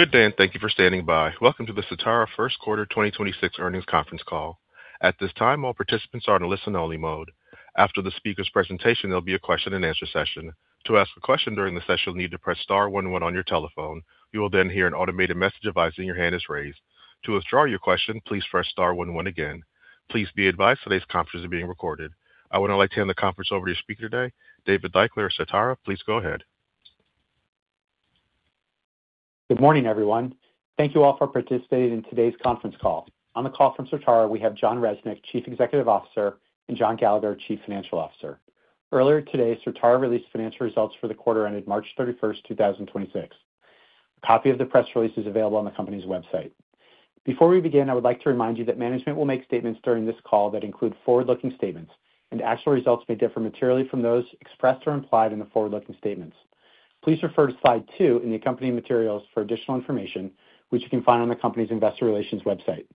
Good day, and thank you for standing by. Welcome to the Certara First Quarter 2026 earnings conference call. At this time, all participants are in a listen-only mode. After the speaker's presentation, there'll be a question-and-answer session. Please be advised today's conference is being recorded. I would now like to hand the conference over to your speaker today, David Deuchler of Certara. Please go ahead. Good morning, everyone. Thank you all for participating in today's conference call. On the call from Certara, we have Jon Resnick, Chief Executive Officer, and John Gallagher, Chief Financial Officer. Earlier today, Certara released financial results for the quarter ended March 31st, 2026. A copy of the press release is available on the company's website. Before we begin, I would like to remind you that management will make statements during this call that include forward-looking statements, and actual results may differ materially from those expressed or implied in the forward-looking statements. Please refer to slide two in the accompanying materials for additional information, which you can find on the company's investor relations website.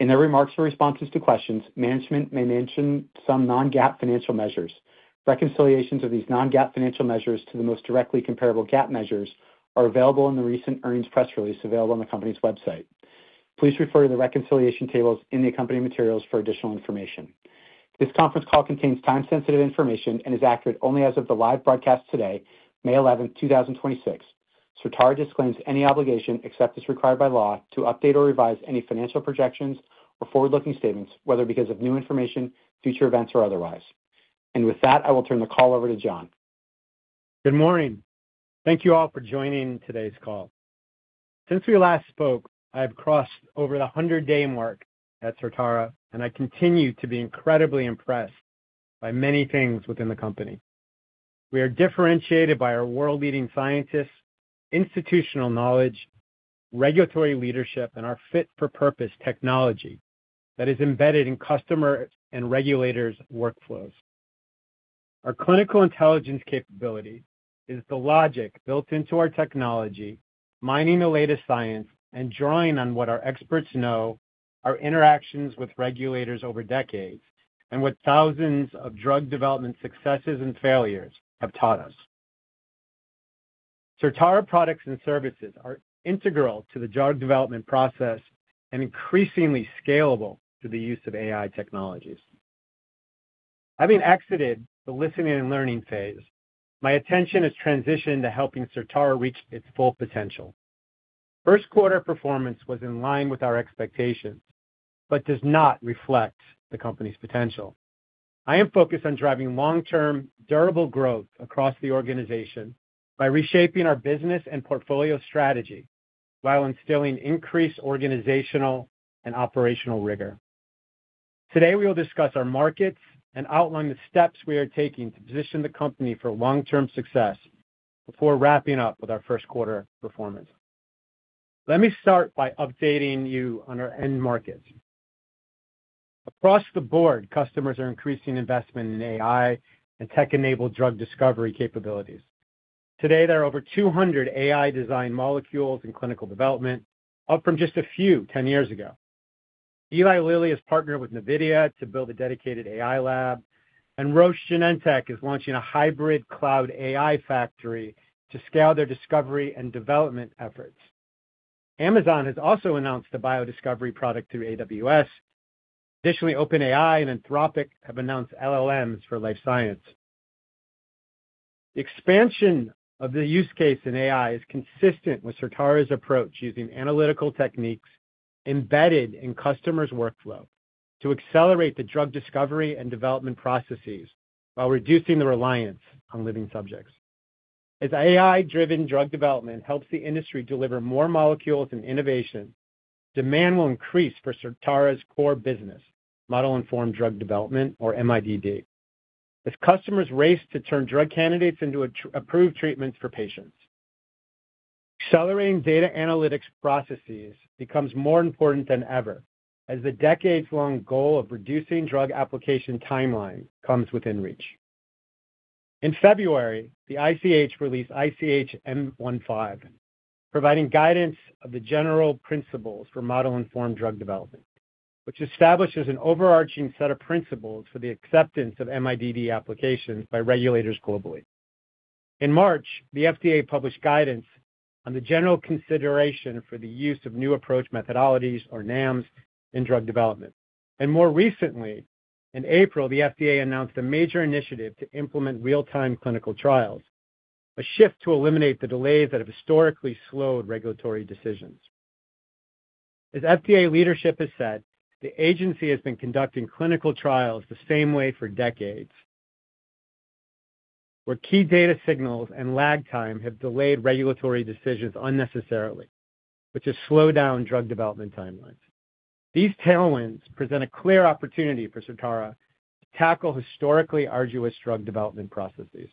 In their remarks or responses to questions, management may mention some non-GAAP financial measures. Reconciliations of these non-GAAP financial measures to the most directly comparable GAAP measures are available in the recent earnings press release available on the company's website. Please refer to the reconciliation tables in the accompanying materials for additional information. This conference call contains time-sensitive information and is accurate only as of the live broadcast today, May 11, 2026. Certara disclaims any obligation, except as required by law, to update or revise any financial projections or forward-looking statements, whether because of new information, future events, or otherwise. With that, I will turn the call over to Jon. Good morning. Thank you all for joining today's call. Since we last spoke, I have crossed over the 100-day mark at Certara, and I continue to be incredibly impressed by many things within the company. We are differentiated by our world-leading scientists, institutional knowledge, regulatory leadership, and our fit-for-purpose technology that is embedded in customer and regulators' workflows. Our clinical intelligence capability is the logic built into our technology, mining the latest science and drawing on what our experts know, our interactions with regulators over decades, and what thousands of drug development successes and failures have taught us. Certara products and services are integral to the drug development process and increasingly scalable through the use of AI technologies. Having exited the listening and learning phase, my attention has transitioned to helping Certara reach its full potential. First quarter performance was in line with our expectations, but does not reflect the company's potential. I am focused on driving long-term durable growth across the organization by reshaping our business and portfolio strategy while instilling increased organizational and operational rigor. Today, we will discuss our markets and outline the steps we are taking to position the company for long-term success before wrapping up with our first quarter performance. Let me start by updating you on our end markets. Across the board, customers are increasing investment in AI and tech-enabled drug discovery capabilities. Today, there are over 200 AI-designed molecules in clinical development, up from just a few 10 years ago. Eli Lilly has partnered with NVIDIA to build a dedicated AI lab, and Roche Genentech is launching a hybrid cloud AI factory to scale their discovery and development efforts. Amazon has also announced a bio discovery product through AWS. OpenAI and Anthropic have announced LLMs for life science. The expansion of the use case in AI is consistent with Certara's approach using analytical techniques embedded in customers' workflow to accelerate the drug discovery and development processes while reducing the reliance on living subjects. AI-driven drug development helps the industry deliver more molecules and innovation, demand will increase for Certara's core business, Model-Informed Drug Development or MIDD. Customers race to turn drug candidates into approved treatments for patients, accelerating data analytics processes becomes more important than ever as the decades-long goal of reducing drug application timeline comes within reach. In February, the ICH released ICH M15, providing guidance of the general principles for Model-Informed Drug Development, which establishes an overarching set of principles for the acceptance of MIDD applications by regulators globally. In March, the FDA published guidance on the general consideration for the use of New Approach Methodologies or NAMs in drug development. More recently, in April, the FDA announced a major initiative to implement real-time clinical trials, a shift to eliminate the delays that have historically slowed regulatory decisions. As FDA leadership has said, the agency has been conducting clinical trials the same way for decades, where key data signals and lag time have delayed regulatory decisions unnecessarily, which has slowed down drug development timelines. These tailwinds present a clear opportunity for Certara to tackle historically arduous drug development processes.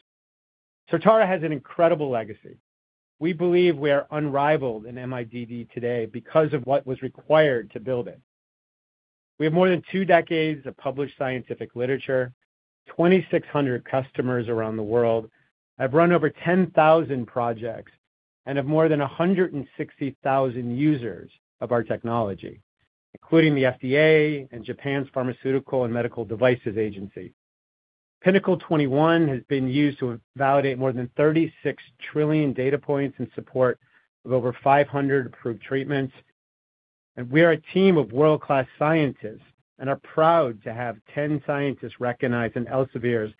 Certara has an incredible legacy. We believe we are unrivaled in MIDD today because of what was required to build it. We have more than two decades of published scientific literature, 2,600 customers around the world. I've run over 10,000 projects and have more than 160,000 users of our technology, including the FDA and Japan's Pharmaceuticals and Medical Devices Agency. Pinnacle 21 has been used to validate more than 36 trillion data points in support of over 500 approved treatments. We are a team of world-class scientists and are proud to have 10 scientists recognized in Elsevier's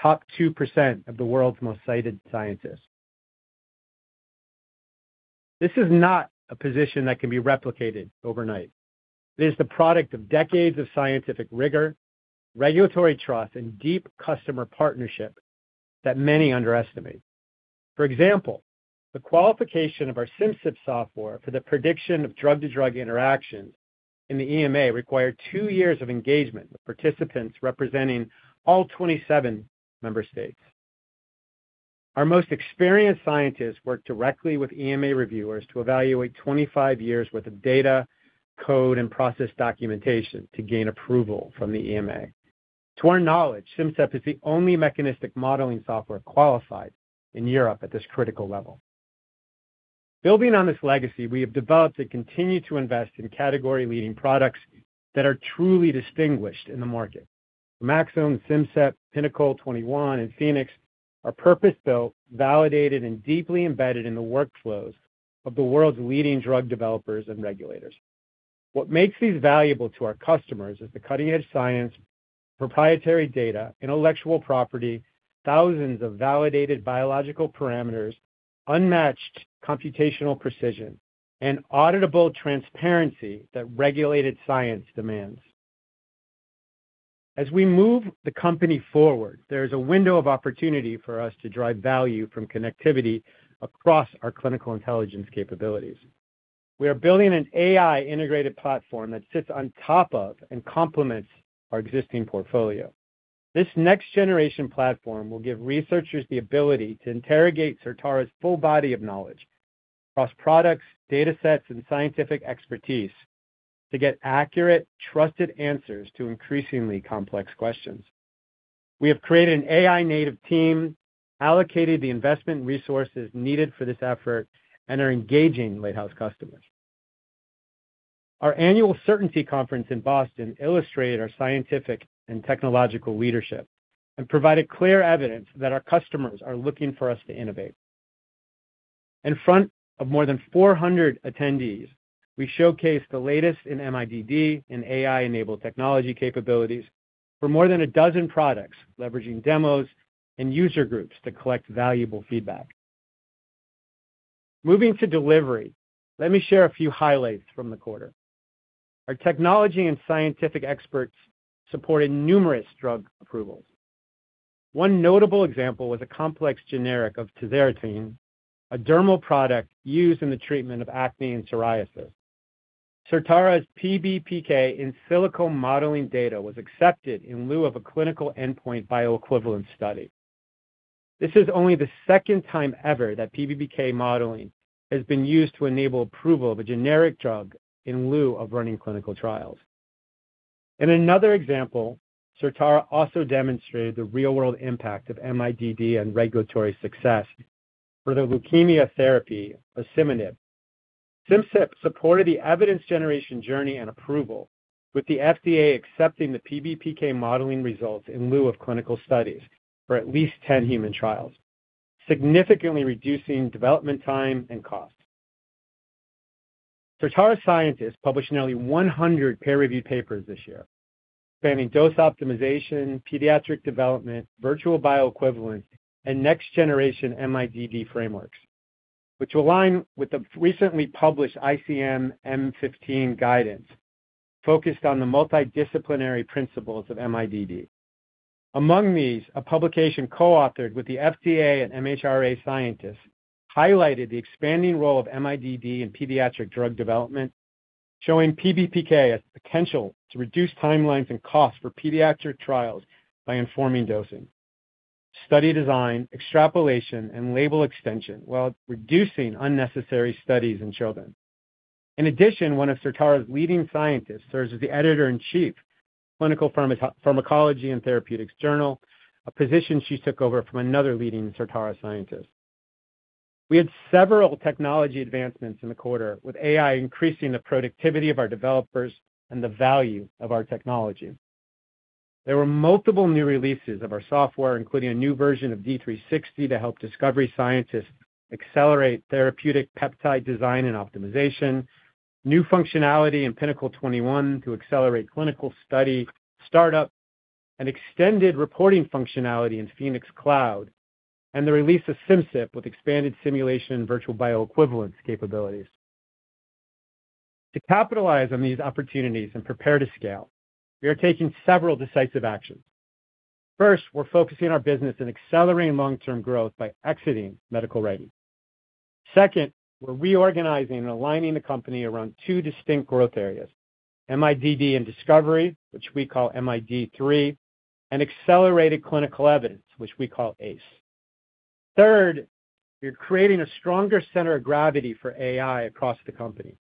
top 2% of the world's most cited scientists. This is not a position that can be replicated overnight. It is the product of decades of scientific rigor, regulatory trust, and deep customer partnership that many underestimate. For example, the qualification of our Simcyp software for the prediction of drug-to-drug interactions in the EMA required two years of engagement with participants representing all 27 member states. Our most experienced scientists worked directly with EMA reviewers to evaluate 25 years worth of data, code, and process documentation to gain approval from the EMA. To our knowledge, Simcyp is the only mechanistic modeling software qualified in Europe at this critical level. Building on this legacy, we have developed and continue to invest in category-leading products that are truly distinguished in the market. ChemAxon, Simcyp, Pinnacle 21, and Phoenix are purpose-built, validated, and deeply embedded in the workflows of the world's leading drug developers and regulators. What makes these valuable to our customers is the cutting-edge science, proprietary data, intellectual property, thousands of validated biological parameters, unmatched computational precision, and auditable transparency that regulated science demands. As we move the company forward, there is a window of opportunity for us to drive value from connectivity across our clinical intelligence capabilities. We are building an AI-integrated platform that sits on top of and complements our existing portfolio. This next-generation platform will give researchers the ability to interrogate Certara's full body of knowledge across products, datasets, and scientific expertise to get accurate, trusted answers to increasingly complex questions. We have created an AI native team, allocated the investment resources needed for this effort, and are engaging lighthouse customers. Our annual Certara conference in Boston illustrated our scientific and technological leadership and provided clear evidence that our customers are looking for us to innovate. In front of more than 400 attendees, we showcased the latest in MIDD and AI-enabled technology capabilities for more than a dozen products, leveraging demos and user groups to collect valuable feedback. Moving to delivery, let me share a few highlights from the quarter. Our technology and scientific experts supported numerous drug approvals. One notable example was a complex generic of tazarotene, a dermal product used in the treatment of acne and psoriasis. Certara's PBPK in silico modeling data was accepted in lieu of a clinical endpoint bioequivalence study. This is only the second time ever that PBPK modeling has been used to enable approval of a generic drug in lieu of running clinical trials. In another example, Certara also demonstrated the real-world impact of MIDD and regulatory success for the leukemia therapy, osimertinib. Simcyp supported the evidence generation journey and approval, with the FDA accepting the PBPK modeling results in lieu of clinical studies for at least 10 human trials, significantly reducing development time and cost. Certara scientists published nearly 100 peer-reviewed papers this year spanning dose optimization, pediatric development, virtual bioequivalence, and next-generation MIDD frameworks, which align with the recently published ICH M15 guidance focused on the multidisciplinary principles of MIDD. Among these, a publication co-authored with the FDA and MHRA scientists highlighted the expanding role of MIDD in pediatric drug development, showing PBPK has the potential to reduce timelines and costs for pediatric trials by informing dosing, study design, extrapolation, and label extension while reducing unnecessary studies in children. In addition, one of Certara's leading scientists serves as the editor-in-chief of Clinical Pharmacology & Therapeutics Journal, a position she took over from another leading Certara scientist. We had several technology advancements in the quarter with AI increasing the productivity of our developers and the value of our technology. There were multiple new releases of our software, including a new version of D360 to help discovery scientists accelerate therapeutic peptide design and optimization, new functionality in Pinnacle 21 to accelerate clinical study startup and extended reporting functionality in Phoenix Cloud, and the release of Simcyp with expanded simulation virtual bioequivalence capabilities. To capitalize on these opportunities and prepare to scale, we are taking several decisive actions. First, we're focusing our business in accelerating long-term growth by exiting medical writing. Second, we're reorganizing and aligning the company around two distinct growth areas, MIDD and discovery, which we call MID3 and accelerated clinical evidence, which we call ACE. Third, we're creating a stronger center of gravity for AI across the company,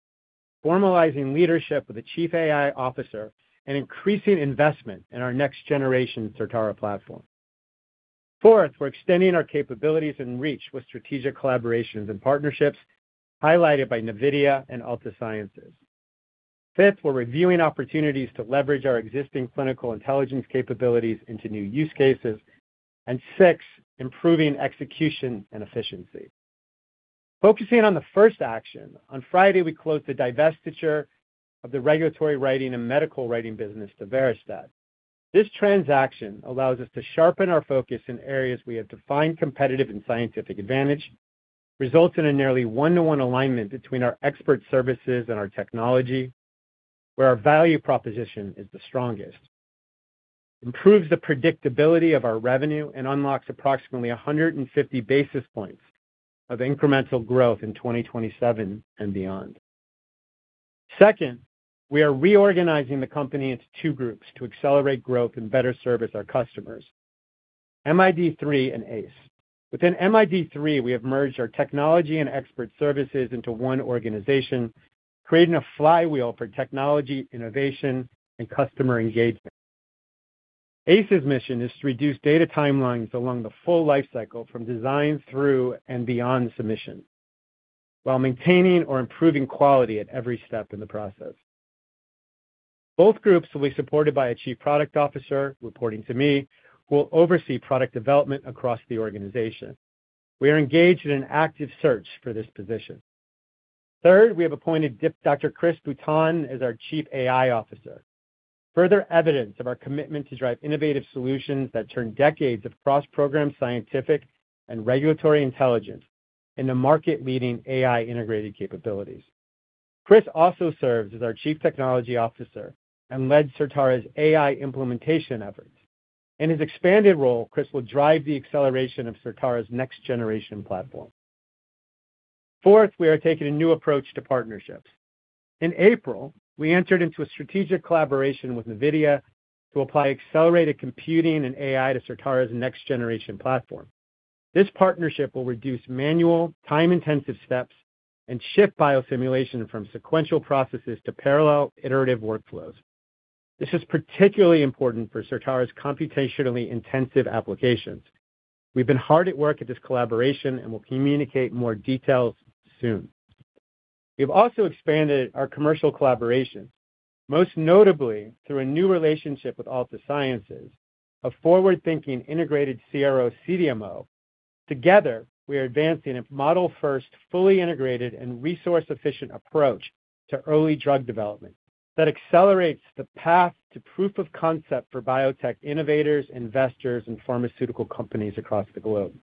formalizing leadership with a chief AI officer and increasing investment in our next generation Certara platform. Fourth, we're extending our capabilities and reach with strategic collaborations and partnerships highlighted by NVIDIA and Altasciences. Fifth, we're reviewing opportunities to leverage our existing clinical intelligence capabilities into new use cases. And sixth, improving execution and efficiency. Focusing on the first action, on Friday, we closed the divestiture of the regulatory writing and medical writing business to Veristat. This transaction allows us to sharpen our focus in areas we have defined competitive and scientific advantage, results in a nearly one-to-one alignment between our expert services and our technology, where our value proposition is the strongest, improves the predictability of our revenue, and unlocks approximately 150 basis points of incremental growth in 2027 and beyond. Second, we are reorganizing the company into two groups to accelerate growth and better service our customers, MID3 and ACE. Within MID3, we have merged our technology and expert services into one organization, creating a flywheel for technology, innovation, and customer engagement. ACE mission is to reduce data timelines along the full life cycle from design through and beyond submission, while maintaining or improving quality at every step in the process. Both groups will be supported by a Chief Product Officer, reporting to me, who will oversee product development across the organization. We are engaged in an active search for this position. Third, we have appointed Dr. Chris Bouton as our Chief AI Officer. Further evidence of our commitment to drive innovative solutions that turn decades of cross-program scientific and regulatory intelligence into market-leading AI integrated capabilities. Chris also serves as our Chief Technology Officer and led Certara's AI implementation efforts. In his expanded role, Chris will drive the acceleration of Certara's next generation platform. Fourth, we are taking a new approach to partnerships. In April, we entered into a strategic collaboration with NVIDIA to apply accelerated computing and AI to Certara's next generation platform. This partnership will reduce manual, time-intensive steps and shift biosimulation from sequential processes to parallel iterative workflows. This is particularly important for Certara's computationally intensive applications. We've been hard at work at this collaboration and will communicate more details soon. We've also expanded our commercial collaboration, most notably through a new relationship with Altasciences, a forward-thinking integrated CRO/CDMO. Together, we are advancing a model-first, fully integrated, and resource-efficient approach to early drug development that accelerates the path to proof of concept for biotech innovators, investors, and pharmaceutical companies across the globe.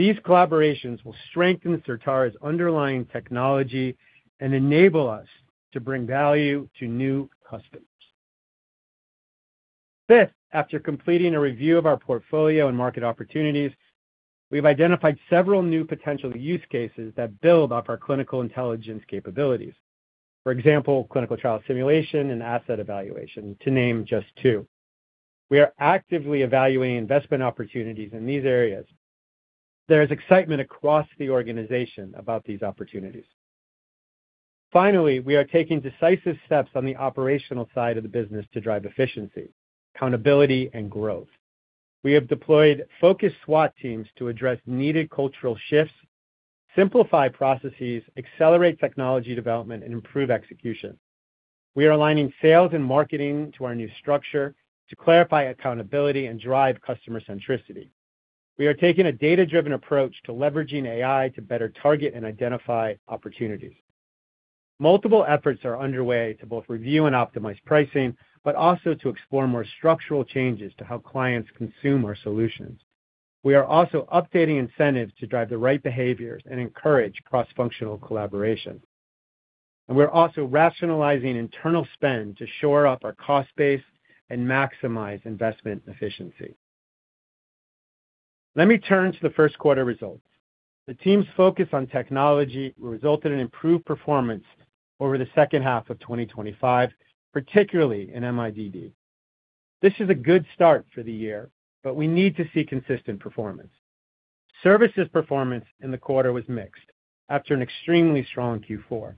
These collaborations will strengthen Certara's underlying technology and enable us to bring value to new customers. Fifth, after completing a review of our portfolio and market opportunities, we've identified several new potential use cases that build off our clinical intelligence capabilities. For example, clinical trial simulation and asset evaluation, to name just two. We are actively evaluating investment opportunities in these areas. There is excitement across the organization about these opportunities. Finally, we are taking decisive steps on the operational side of the business to drive efficiency, accountability, and growth. We have deployed focused SWAT teams to address needed cultural shifts, simplify processes, accelerate technology development, and improve execution. We are aligning sales and marketing to our new structure to clarify accountability and drive customer centricity. We are taking a data-driven approach to leveraging AI to better target and identify opportunities. Multiple efforts are underway to both review and optimize pricing, but also to explore more structural changes to how clients consume our solutions. We are also updating incentives to drive the right behaviors and encourage cross-functional collaboration. We're also rationalizing internal spend to shore up our cost base and maximize investment efficiency. Let me turn to the first quarter results. The team's focus on technology resulted in improved performance over the second half of 2025, particularly in MIDD. This is a good start for the year, but we need to see consistent performance. Services performance in the quarter was mixed after an extremely strong Q4.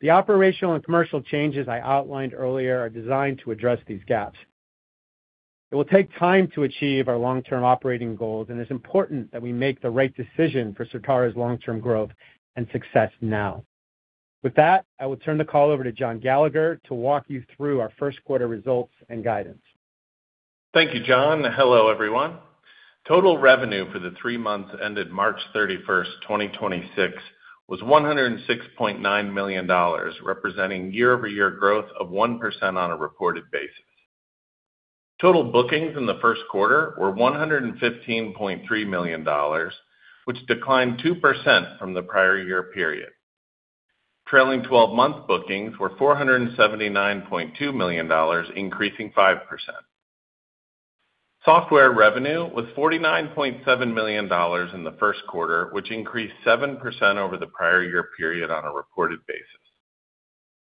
The operational and commercial changes I outlined earlier are designed to address these gaps. It will take time to achieve our long-term operating goals, and it's important that we make the right decision for Certara's long-term growth and success now. With that, I will turn the call over to John Gallagher to walk you through our first quarter results and guidance. Thank you, John. Hello, everyone. Total revenue for the three months ended March 31st, 2026 was $106.9 million, representing year-over-year growth of 1% on a reported basis. Total bookings in the first quarter were $115.3 million, which declined 2% from the prior year period. Trailing 12-month bookings were $479.2 million, increasing 5%. Software revenue was $49.7 million in the first quarter, which increased 7% over the prior year period on a reported basis.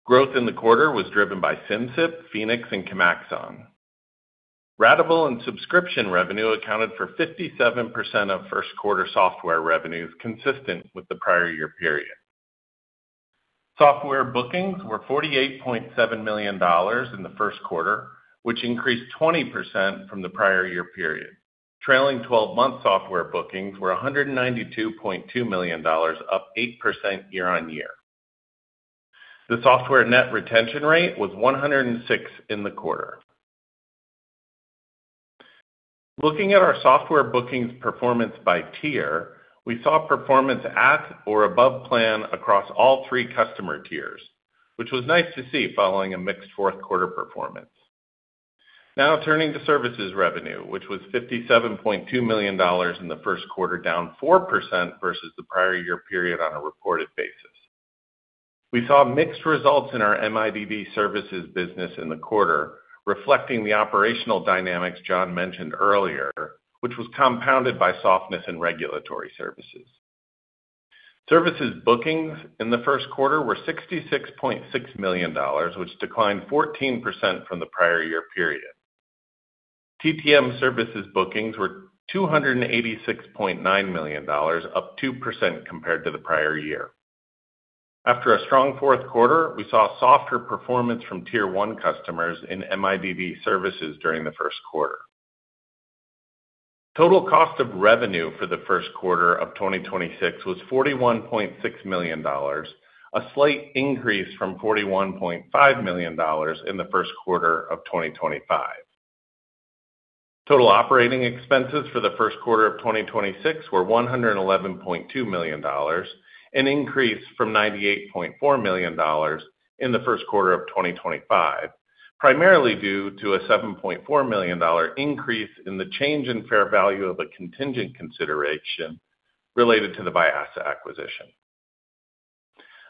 Growth in the quarter was driven by Simcyp, Phoenix, and ChemAxon. Ratable and subscription revenue accounted for 57% of first quarter software revenues, consistent with the prior year period. Software bookings were $48.7 million in the first quarter, which increased 20% from the prior year period. Trailing 12-month software bookings were $192.2 million, up 8% year-over-year. The software net retention rate was 106 in the quarter. Looking at our software bookings performance by tier, we saw performance at or above plan across all three customer tiers, which was nice to see following a mixed fourth quarter performance. Now turning to services revenue, which was $57.2 million in the first quarter, down 4% versus the prior year period on a reported basis. We saw mixed results in our MIDD services business in the quarter, reflecting the operational dynamics John mentioned earlier, which was compounded by softness in regulatory services. Services bookings in the first quarter were $66.6 million, which declined 14% from the prior year period. TTM services bookings were $286.9 million, up 2% compared to the prior year. After a strong fourth quarter, we saw softer performance from tier one customers in MIDD services during the first quarter. Total cost of revenue for the first quarter of 2026 was $41.6 million, a slight increase from $41.5 million in the first quarter of 2025. Total operating expenses for the first quarter of 2026 were $111.2 million, an increase from $98.4 million in the first quarter of 2025, primarily due to a $7.4 million increase in the change in fair value of a contingent consideration related to the Vyasa acquisition.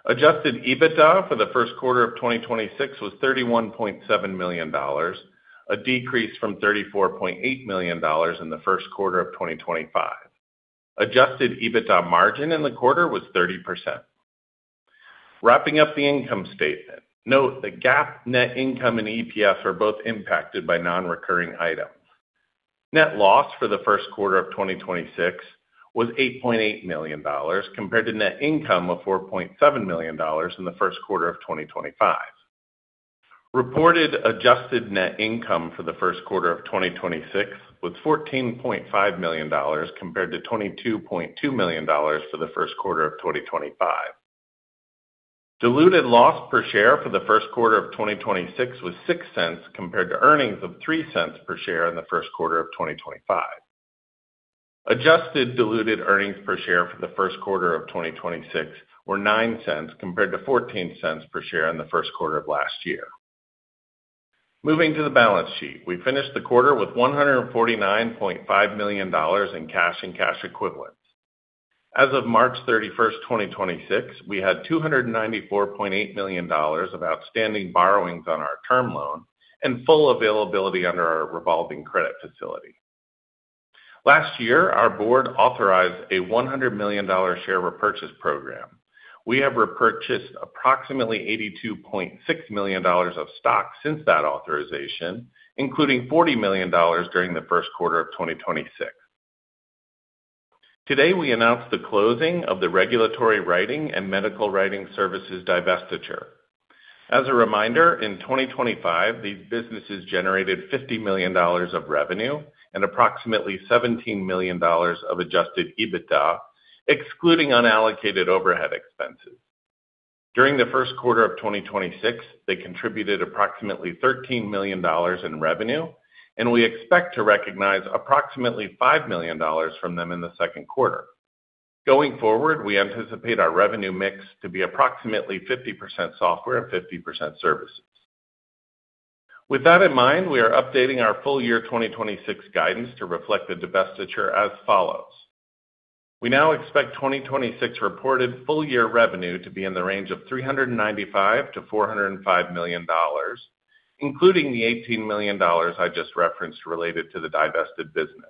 Adjusted EBITDA for the first quarter of 2026 was $31.7 million, a decrease from $34.8 million in the first quarter of 2025. Adjusted EBITDA margin in the quarter was 30%. Wrapping up the income statement, note that GAAP net income and EPS are both impacted by non-recurring items. Net loss for the first quarter of 2026 was $8.8 million compared to net income of $4.7 million in the first quarter of 2025. Reported adjusted net income for the first quarter of 2026 was $14.5 million compared to $22.2 million for the first quarter of 2025. Diluted loss per share for the first quarter of 2026 was $0.06 compared to earnings of $0.03 per share in the first quarter of 2025. Adjusted diluted earnings per share for the first quarter of 2026 were $0.09 compared to $0.14 per share in the first quarter of last year. Moving to the balance sheet, we finished the quarter with $149.5 million in cash and cash equivalents. As of March 31st, 2026, we had $294.8 million of outstanding borrowings on our term loan and full availability under our revolving credit facility. Last year, our board authorized a $100 million share repurchase program. We have repurchased approximately $82.6 million of stock since that authorization, including $40 million during the first quarter of 2026. Today, we announced the closing of the regulatory writing and medical writing services divestiture. As a reminder, in 2025, these businesses generated $50 million of revenue and approximately $17 million of adjusted EBITDA, excluding unallocated overhead expenses. During the first quarter of 2026, they contributed approximately $13 million in revenue, and we expect to recognize approximately $5 million from them in the second quarter. Going forward, we anticipate our revenue mix to be approximately 50% software and 50% services. With that in mind, we are updating our full year 2026 guidance to reflect the divestiture as follows: We now expect 2026 reported full year revenue to be in the range of $395 million-$405 million, including the $18 million I just referenced related to the divested business.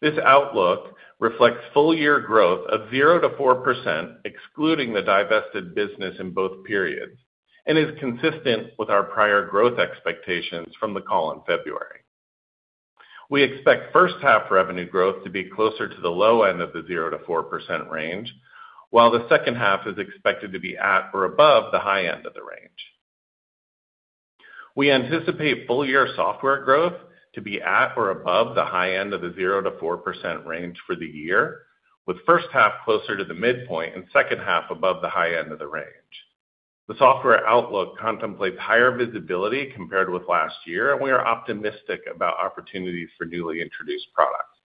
This outlook reflects full year growth of 0%-4%, excluding the divested business in both periods, and is consistent with our prior growth expectations from the call in February. We expect first half revenue growth to be closer to the low end of the 0%-4% range, while the second half is expected to be at or above the high end of the range. We anticipate full year software growth to be at or above the high end of the 0%-4% range for the year, with first half closer to the midpoint and second half above the high end of the range. The software outlook contemplates higher visibility compared with last year, and we are optimistic about opportunities for newly introduced products.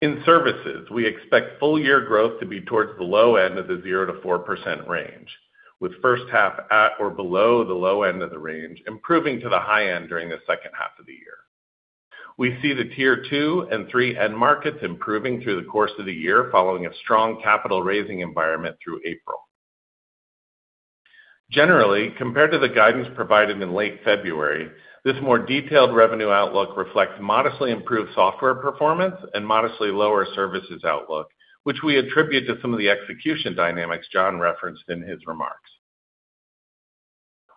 In services, we expect full year growth to be towards the low end of the 0%-4% range, with first half at or below the low end of the range, improving to the high end during the second half of the year. We see the tier two and three end markets improving through the course of the year following a strong capital raising environment through April. Generally, compared to the guidance provided in late February, this more detailed revenue outlook reflects modestly improved software performance and modestly lower services outlook, which we attribute to some of the execution dynamics Jon referenced in his remarks.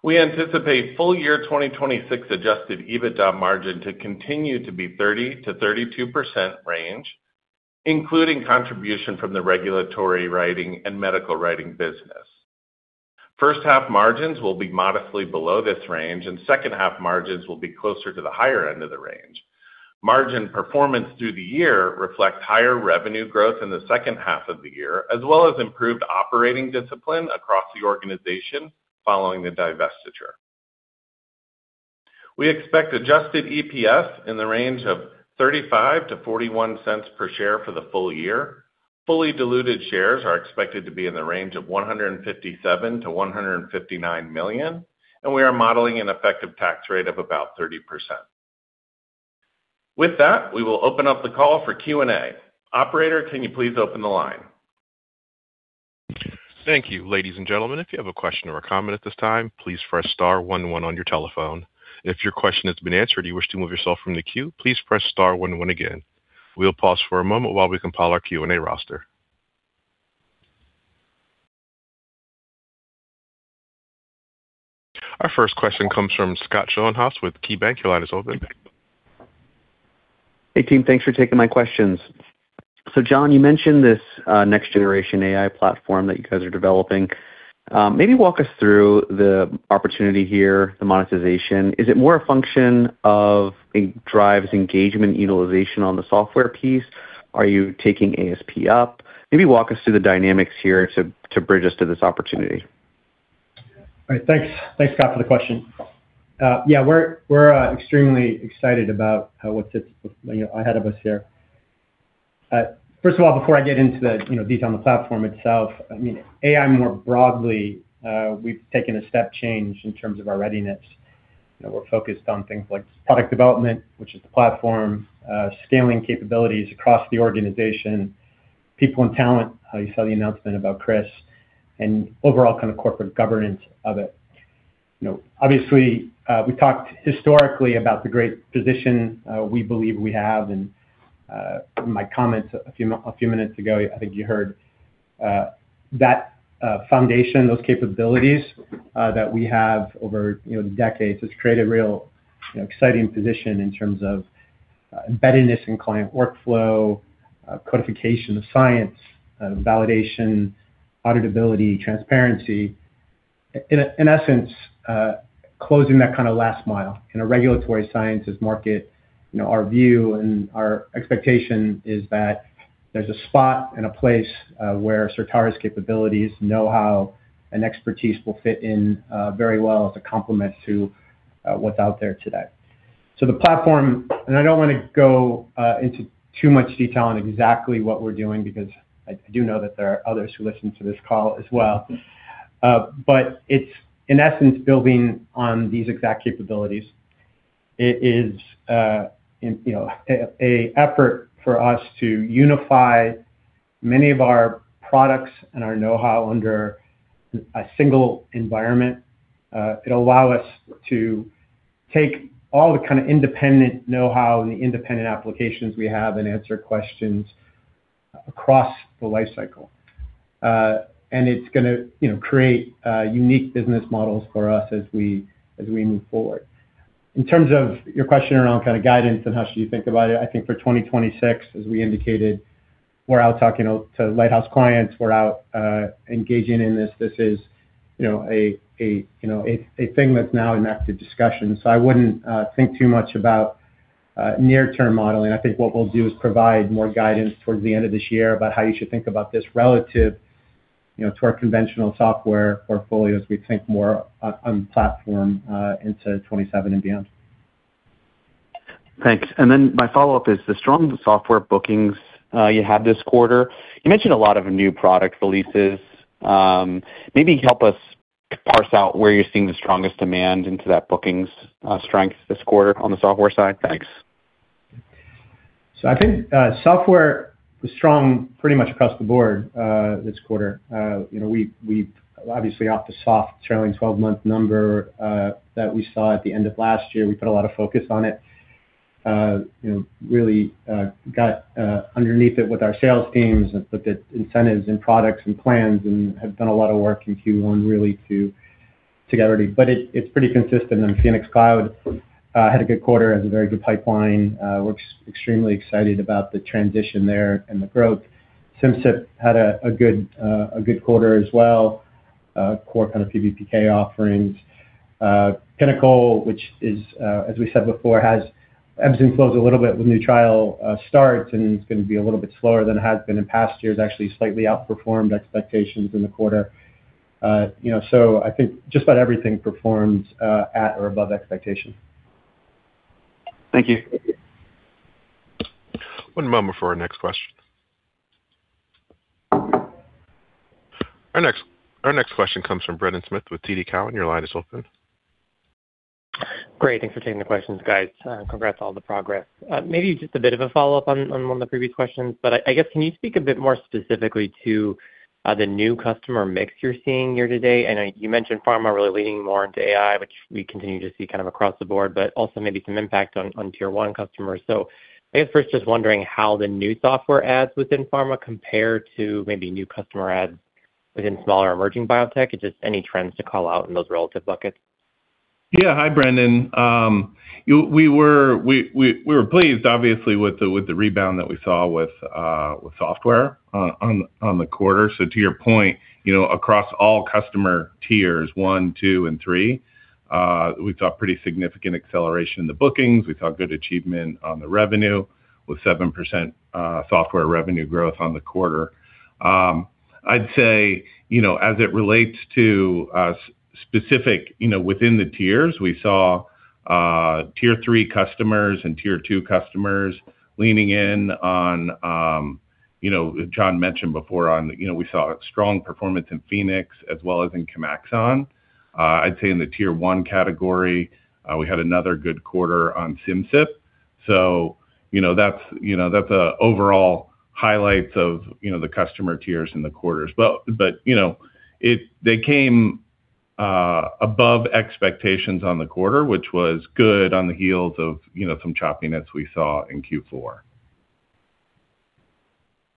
We anticipate full year 2026 adjusted EBITDA margin to continue to be 30%-32% range, including contribution from the regulatory writing and medical writing business. First half margins will be modestly below this range, and second half margins will be closer to the higher end of the range. Margin performance through the year reflects higher revenue growth in the second half of the year, as well as improved operating discipline across the organization following the divestiture. We expect adjusted EPS in the range of $0.35-$0.41 per share for the full year. Fully diluted shares are expected to be in the range of $157 million-$159 million, and we are modeling an effective tax rate of about 30%. With that, we will open up the call for Q&A. Operator, can you please open the line? Thank you. Ladies and gentlemen, if you have a question or a comment at this time, please press star one one on your telephone. If your question has been answered and you wish to remove yourself from the queue, please press star one one again. We'll pause for a moment while we compile our Q&A roster. Our first question comes from Scott Schoenhaus with KeyBanc. Your line is open. Hey, team. Thanks for taking my questions. Jon, you mentioned this next generation AI platform that you guys are developing. Maybe walk us through the opportunity here, the monetization. Is it more a function of it drives engagement utilization on the software piece? Are you taking ASP up? Maybe walk us through the dynamics here to bridge us to this opportunity. All right. Thanks. Thanks, Scott, for the question. Yeah, we're extremely excited about what's, you know, ahead of us here. First of all, before I get into the, you know, detail on the platform itself, I mean, AI more broadly, we've taken a step change in terms of our readiness. You know, we're focused on things like product development, which is the platform, scaling capabilities across the organization, people and talent. You saw the announcement about Chris and overall kind of corporate governance of it. You know, obviously, we talked historically about the great position, we believe we have. My comments a few, a few minutes ago, I think you heard that foundation, those capabilities that we have over, you know, decades has created real, you know, exciting position in terms of embeddedness in client workflow, codification of science, validation, auditability, transparency. In essence, closing that kind of last mile in a regulatory sciences market, you know, our view and our expectation is that there's a spot and a place where Certara's capabilities know-how and expertise will fit in very well to complement to what's out there today. I don't wanna go into too much detail on exactly what we're doing because I do know that there are others who listen to this call as well. But it's in essence building on these exact capabilities. It is, you know, a effort for us to unify many of our products and our know-how under a single environment. It'll allow us to take all the kind of independent know-how and the independent applications we have and answer questions across the life cycle. It's gonna, you know, create unique business models for us as we, as we move forward. In terms of your question around kind of guidance and how should you think about it, I think for 2026, as we indicated, we're out talking to lighthouse clients. We're out engaging in this. This is, you know, a, you know, a thing that's now in active discussion. I wouldn't think too much about near-term modeling. I think what we'll do is provide more guidance towards the end of this year about how you should think about this relative, you know, to our conventional software portfolio as we think more on platform into 2027 and beyond. Thanks. My follow-up is the strong software bookings, you had this quarter, you mentioned a lot of new product releases. Maybe help us parse out where you're seeing the strongest demand into that bookings, strength this quarter on the software side. Thanks. I think software was strong pretty much across the board this quarter. You know, obviously off the soft trailing 12-month number that we saw at the end of last year. We put a lot of focus on it. You know, really got underneath it with our sales teams and put the incentives and products and plans and have done a lot of work in Q1 really to get ready. It's pretty consistent. Phoenix Cloud had a good quarter. Has a very good pipeline. We're extremely excited about the transition there and the growth. Simcyp had a good quarter as well. Core kind of PBPK offerings. Clinical, which is, as we said before, has ebbs and flows a little bit when new trial starts, and it's gonna be a little bit slower than it has been in past years. Actually, slightly outperformed expectations in the quarter. You know, I think just about everything performed at or above expectation. Thank you. One moment before our next question. Our next question comes from Brendan Smith with TD Cowen. Your line is open. Great. Thanks for taking the questions, guys. Congrats on all the progress. Maybe just a bit of a follow-up on one of the previous questions, but I guess can you speak a bit more specifically to the new customer mix you're seeing here today? I know you mentioned pharma really leaning more into AI, which we continue to see kind of across the board, but also maybe some impact on tier one customers. I guess first just wondering how the new software adds within pharma compare to maybe new customer adds within smaller emerging biotech and just any trends to call out in those relative buckets. Hi, Brendan. We were pleased obviously with the rebound that we saw with software on the quarter. To your point, you know, across all customer tiers one, two, and three, we saw pretty significant acceleration in the bookings. We saw good achievement on the revenue with 7% software revenue growth on the quarter. I'd say, you know, as it relates to specific, you know, within the tiers, we saw tier three customers and tier two customers leaning in on, you know, Jon mentioned before on, you know, we saw strong performance in Phoenix as well as in ChemAxon. I'd say in the tier one category, we had another good quarter on Simcyp. you know, that's, you know, that's a overall highlights of, you know, the customer tiers in the quarters. you know, they came above expectations on the quarter, which was good on the heels of, you know, some choppiness we saw in Q4.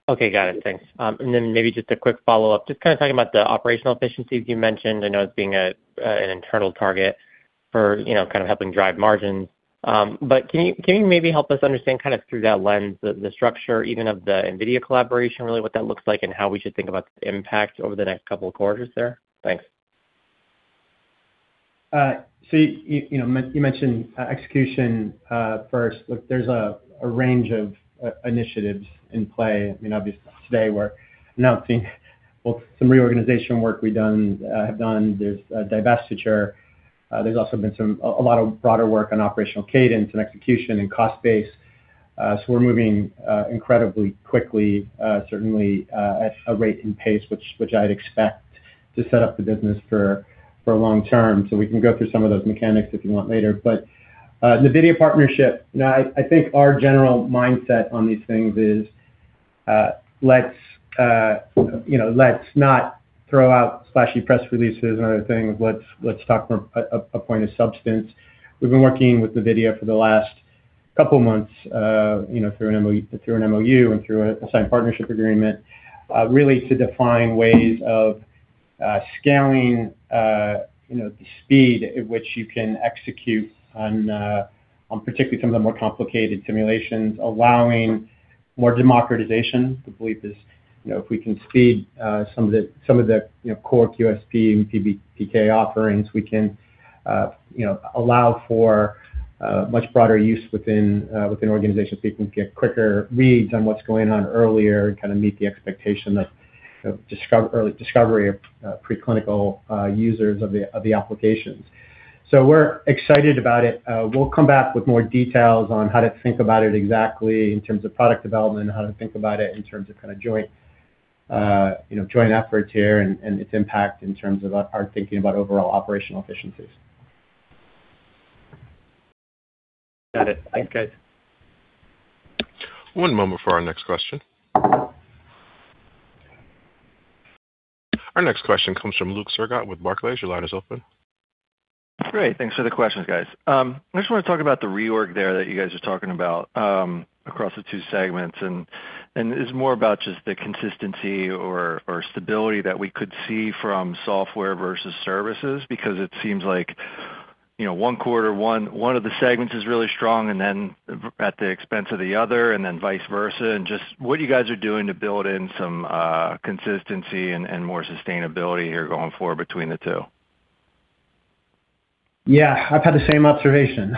Okay. Got it. Thanks. Then maybe just a quick follow-up, just kind of talking about the operational efficiencies you mentioned, I know it's being an internal target for, you know, kind of helping drive margins. Can you maybe help us understand kind of through that lens, the structure even of the NVIDIA collaboration, really what that looks like and how we should think about the impact over the next couple of quarters there? Thanks. You know, you mentioned execution first. Look, there's a range of initiatives in play. I mean, obviously today we're announcing, well, some reorganization work we've done, have done. There's a divestiture. There's also been a lot of broader work on operational cadence and execution and cost base. We're moving incredibly quickly, certainly at a rate and pace which I'd expect to set up the business for long term. We can go through some of those mechanics if you want later. The NVIDIA partnership, no, I think our general mindset on these things is, let's, you know, let's not throw out splashy press releases and other things. Let's talk from a point of substance. We've been working with NVIDIA for the last couple months, you know, through an MOU and through a signed partnership agreement, really to define ways of scaling, you know, the speed at which you can execute on particularly some of the more complicated simulations, allowing more democratization. The belief is, you know, if we can speed some of the, some of the, you know, core QSP and PK offerings, we can, you know, allow for much broader use within organizations so people can get quicker reads on what's going on earlier and kinda meet the expectation of early discovery of preclinical users of the applications. We're excited about it. We'll come back with more details on how to think about it exactly in terms of product development and how to think about it in terms of kinda joint, you know, joint efforts here and its impact in terms of our thinking about overall operational efficiencies. Got it. Thanks, guys. One moment for our next question. Our next question comes from Luke Sergott with Barclays. Your line is open. Great. Thanks for the questions, guys. I just wanna talk about the reorg there that you guys are talking about, across the two segments and it's more about just the consistency or stability that we could see from software versus services, because it seems like, you know, one quarter one of the segments is really strong and then at the expense of the other and then vice versa. Just what you guys are doing to build in some consistency and more sustainability here going forward between the two? Yeah. I've had the same observation.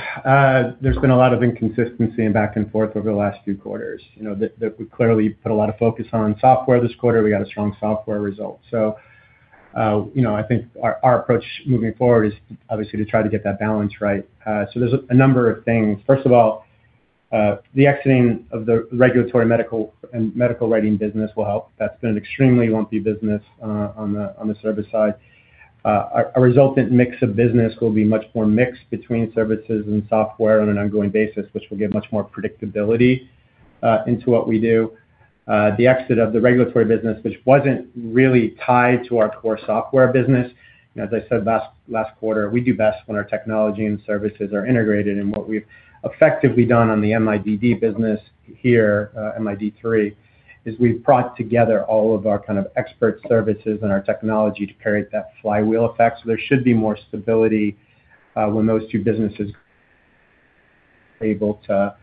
There's been a lot of inconsistency and back and forth over the last few quarters, you know, that we clearly put a lot of focus on software this quarter. We got a strong software result. You know, I think our approach moving forward is obviously to try to get that balance right. There's a number of things. First of all, the exiting of the regulatory medical and medical writing business will help. That's been an extremely lumpy business on the service side. Our resultant mix of business will be much more mixed between services and software on an ongoing basis, which will give much more predictability into what we do. The exit of the regulatory business, which wasn't really tied to our core software business, you know, as I said last quarter, we do best when our technology and services are integrated. What we've effectively done on the MIDD business here, MID3, is we've brought together all of our kind of expert services and our technology to create that flywheel effect. There should be more stability when those two businesses able to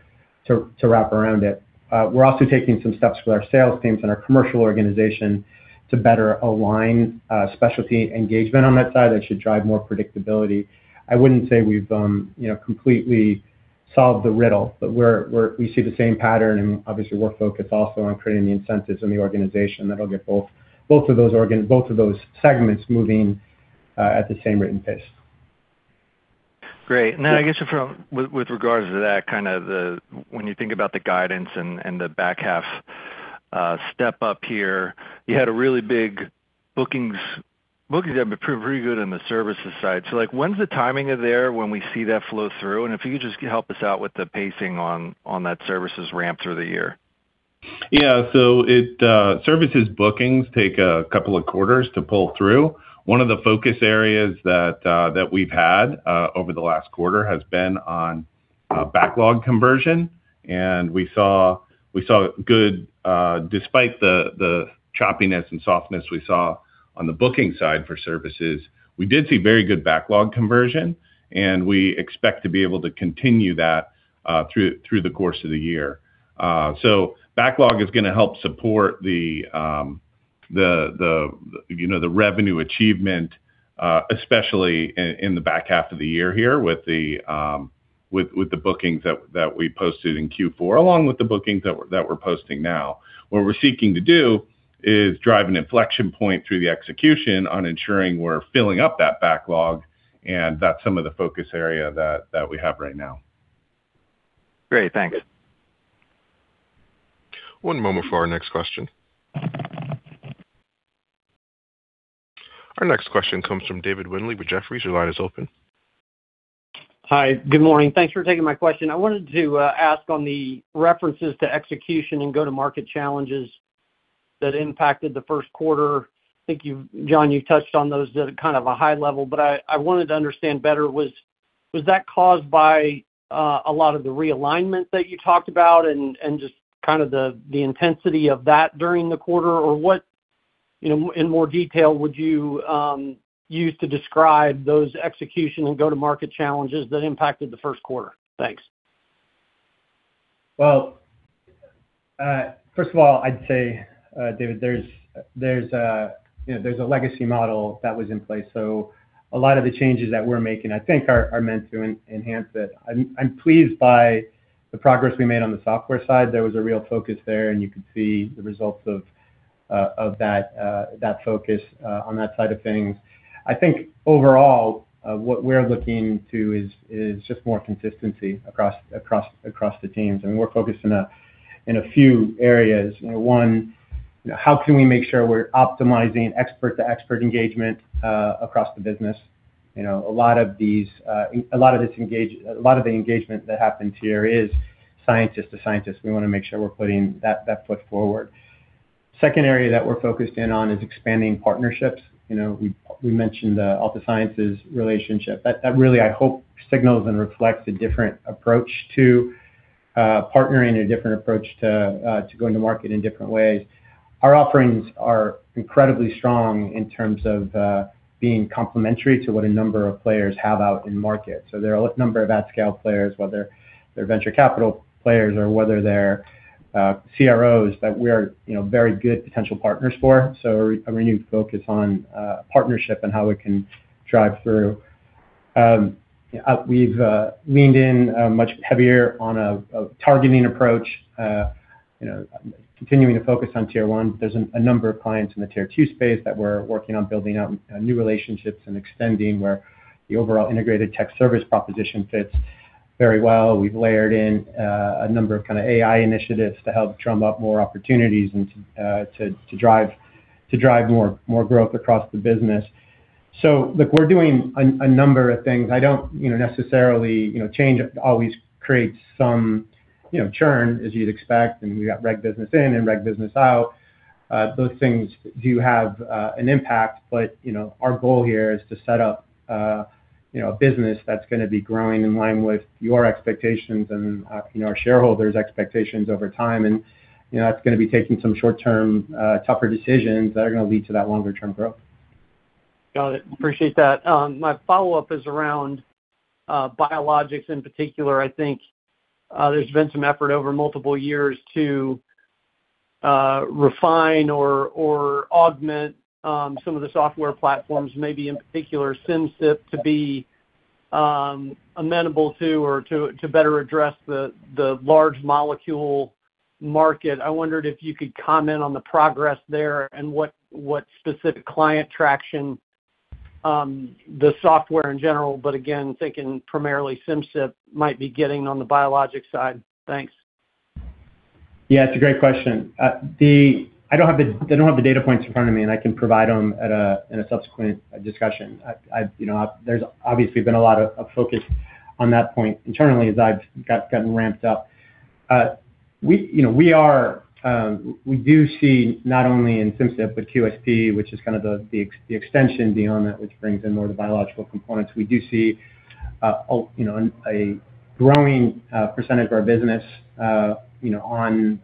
wrap around it. We're also taking some steps with our sales teams and our commercial organization to better align specialty engagement on that side. That should drive more predictability. I wouldn't say we've, you know, completely solved the riddle, but we see the same pattern, and obviously we're focused also on creating the incentives in the organization that'll get both of those segments moving at the same written pace. Great. Now, I guess with regards to when you think about the guidance and the back half, step up here, you had a really big bookings have been pretty good on the services side. Like, when's the timing of there when we see that flow through? If you could just help us out with the pacing on that services ramp through the year. Yeah. It, services bookings take a couple of quarters to pull through. One of the focus areas that we've had over the last quarter has been. Backlog conversion, we saw good despite the choppiness and softness we saw on the booking side for services, we did see very good backlog conversion. We expect to be able to continue that through the course of the year. Backlog is gonna help support the, you know, the revenue achievement, especially in the back half of the year here with the bookings that we posted in Q4, along with the bookings that we're posting now. What we're seeking to do is drive an inflection point through the execution on ensuring we're filling up that backlog. That's some of the focus area that we have right now. Great. Thanks. One moment for our next question. Our next question comes from David Windley with Jefferies. Your line is open. Hi. Good morning. Thanks for taking my question. I wanted to ask on the references to execution and go-to-market challenges that impacted the first quarter. Jon, you touched on those at kind of a high level, but I wanted to understand better, was that caused by a lot of the realignment that you talked about and just kind of the intensity of that during the quarter? What, you know, in more detail would you use to describe those execution and go-to-market challenges that impacted the first quarter? Thanks. First of all, I'd say, David, there's, you know, there's a legacy model that was in place. A lot of the changes that we're making, I think, are meant to enhance it. I'm pleased by the progress we made on the software side. There was a real focus there, and you can see the results of that focus on that side of things. I think overall, what we're looking to is just more consistency across the teams. We're focused in a few areas. You know, one, you know, how can we make sure we're optimizing expert-to-expert engagement across the business? You know, a lot of these, a lot of the engagement that happens here is scientist to scientist. We wanna make sure we're putting that foot forward. Second area that we're focused in on is expanding partnerships. You know, we mentioned the Altasciences relationship. That really, I hope, signals and reflects a different approach to partnering and a different approach to go into market in different ways. Our offerings are incredibly strong in terms of being complementary to what a number of players have out in market. There are a number of at-scale players, whether they're venture capital players or whether they're CROs that we are, you know, very good potential partners for. A renewed focus on partnership and how we can drive through. We've leaned in much heavier on a targeting approach, you know, continuing to focus on tier one. There's a number of clients in the tier two space that we're working on building out new relationships and extending where the overall integrated tech service proposition fits very well. We've layered in a number of kind of AI initiatives to help drum up more opportunities and to drive more growth across the business. Look, we're doing a number of things. I don't, you know, necessarily, you know, change always creates some, you know, churn, as you'd expect, and you got reg business in and reg business out. Those things do have an impact, you know, our goal here is to set up, you know, a business that's going to be growing in line with your expectations and, you know, our shareholders' expectations over time. You know, that's gonna be taking some short-term, tougher decisions that are gonna lead to that longer-term growth. Got it. Appreciate that. My follow-up is around biologics in particular. I think there's been some effort over multiple years to refine or augment some of the software platforms, maybe in particular Simcyp, to be amenable to or to better address the large molecule market. I wondered if you could comment on the progress there and what specific client traction the software in general, but again thinking primarily Simcyp might be getting on the biologic side. Thanks. Yeah, it's a great question. I don't have the data points in front of me, and I can provide them at a, in a subsequent discussion. I, you know, there's obviously been a lot of focus on that point internally as I've gotten ramped up. We, you know, we are-- We do see not only in Simcyp, but QSP, which is kind of the extension beyond that which brings in more of the biological components. We do see, a, you know, a growing percentage of our business, you know,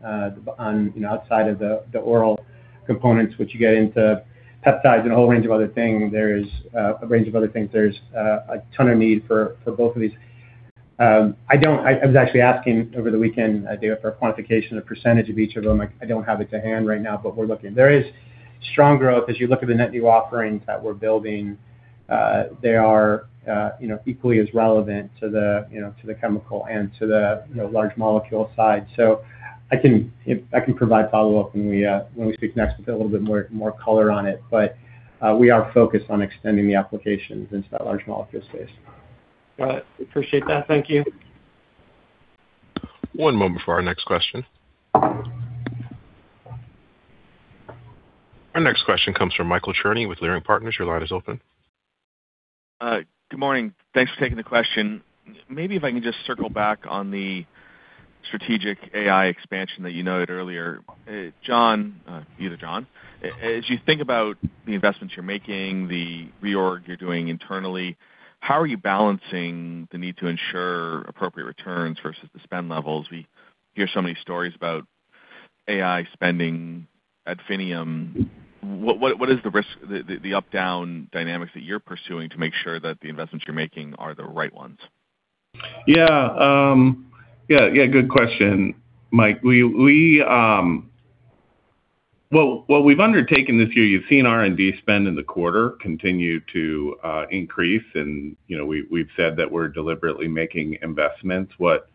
outside of the oral components which you get into peptides and a whole range of other things. There's a range of other things. There's a ton of need for both of these. I was actually asking over the weekend, David, for a quantification, a percentage of each of them. I don't have it to hand right now, but we're looking. There is strong growth as you look at the net new offerings that we're building. They are, you know, equally as relevant to the, you know, to the chemical and to the, you know, large molecule side. I can provide follow-up when we speak next with a little bit more color on it. We are focused on extending the applications into that large molecule space. Got it. Appreciate that. Thank you. One moment for our next question. Our next question comes from Michael Cherny with Leerink Partners. Your line is open. Good morning. Thanks for taking the question. Maybe if I can just circle back on the Strategic AI expansion that you noted earlier. Jon, either Jon, as you think about the investments you're making, the reorg you're doing internally, how are you balancing the need to ensure appropriate returns versus the spend levels? We hear so many stories about AI spending ad infinitum. What is the risk, the up-down dynamics that you're pursuing to make sure that the investments you're making are the right ones? Yeah, good question, Mike. Well, what we've undertaken this year, you've seen R&D spend in the quarter continue to increase and, you know, we've said that we're deliberately making investments. What,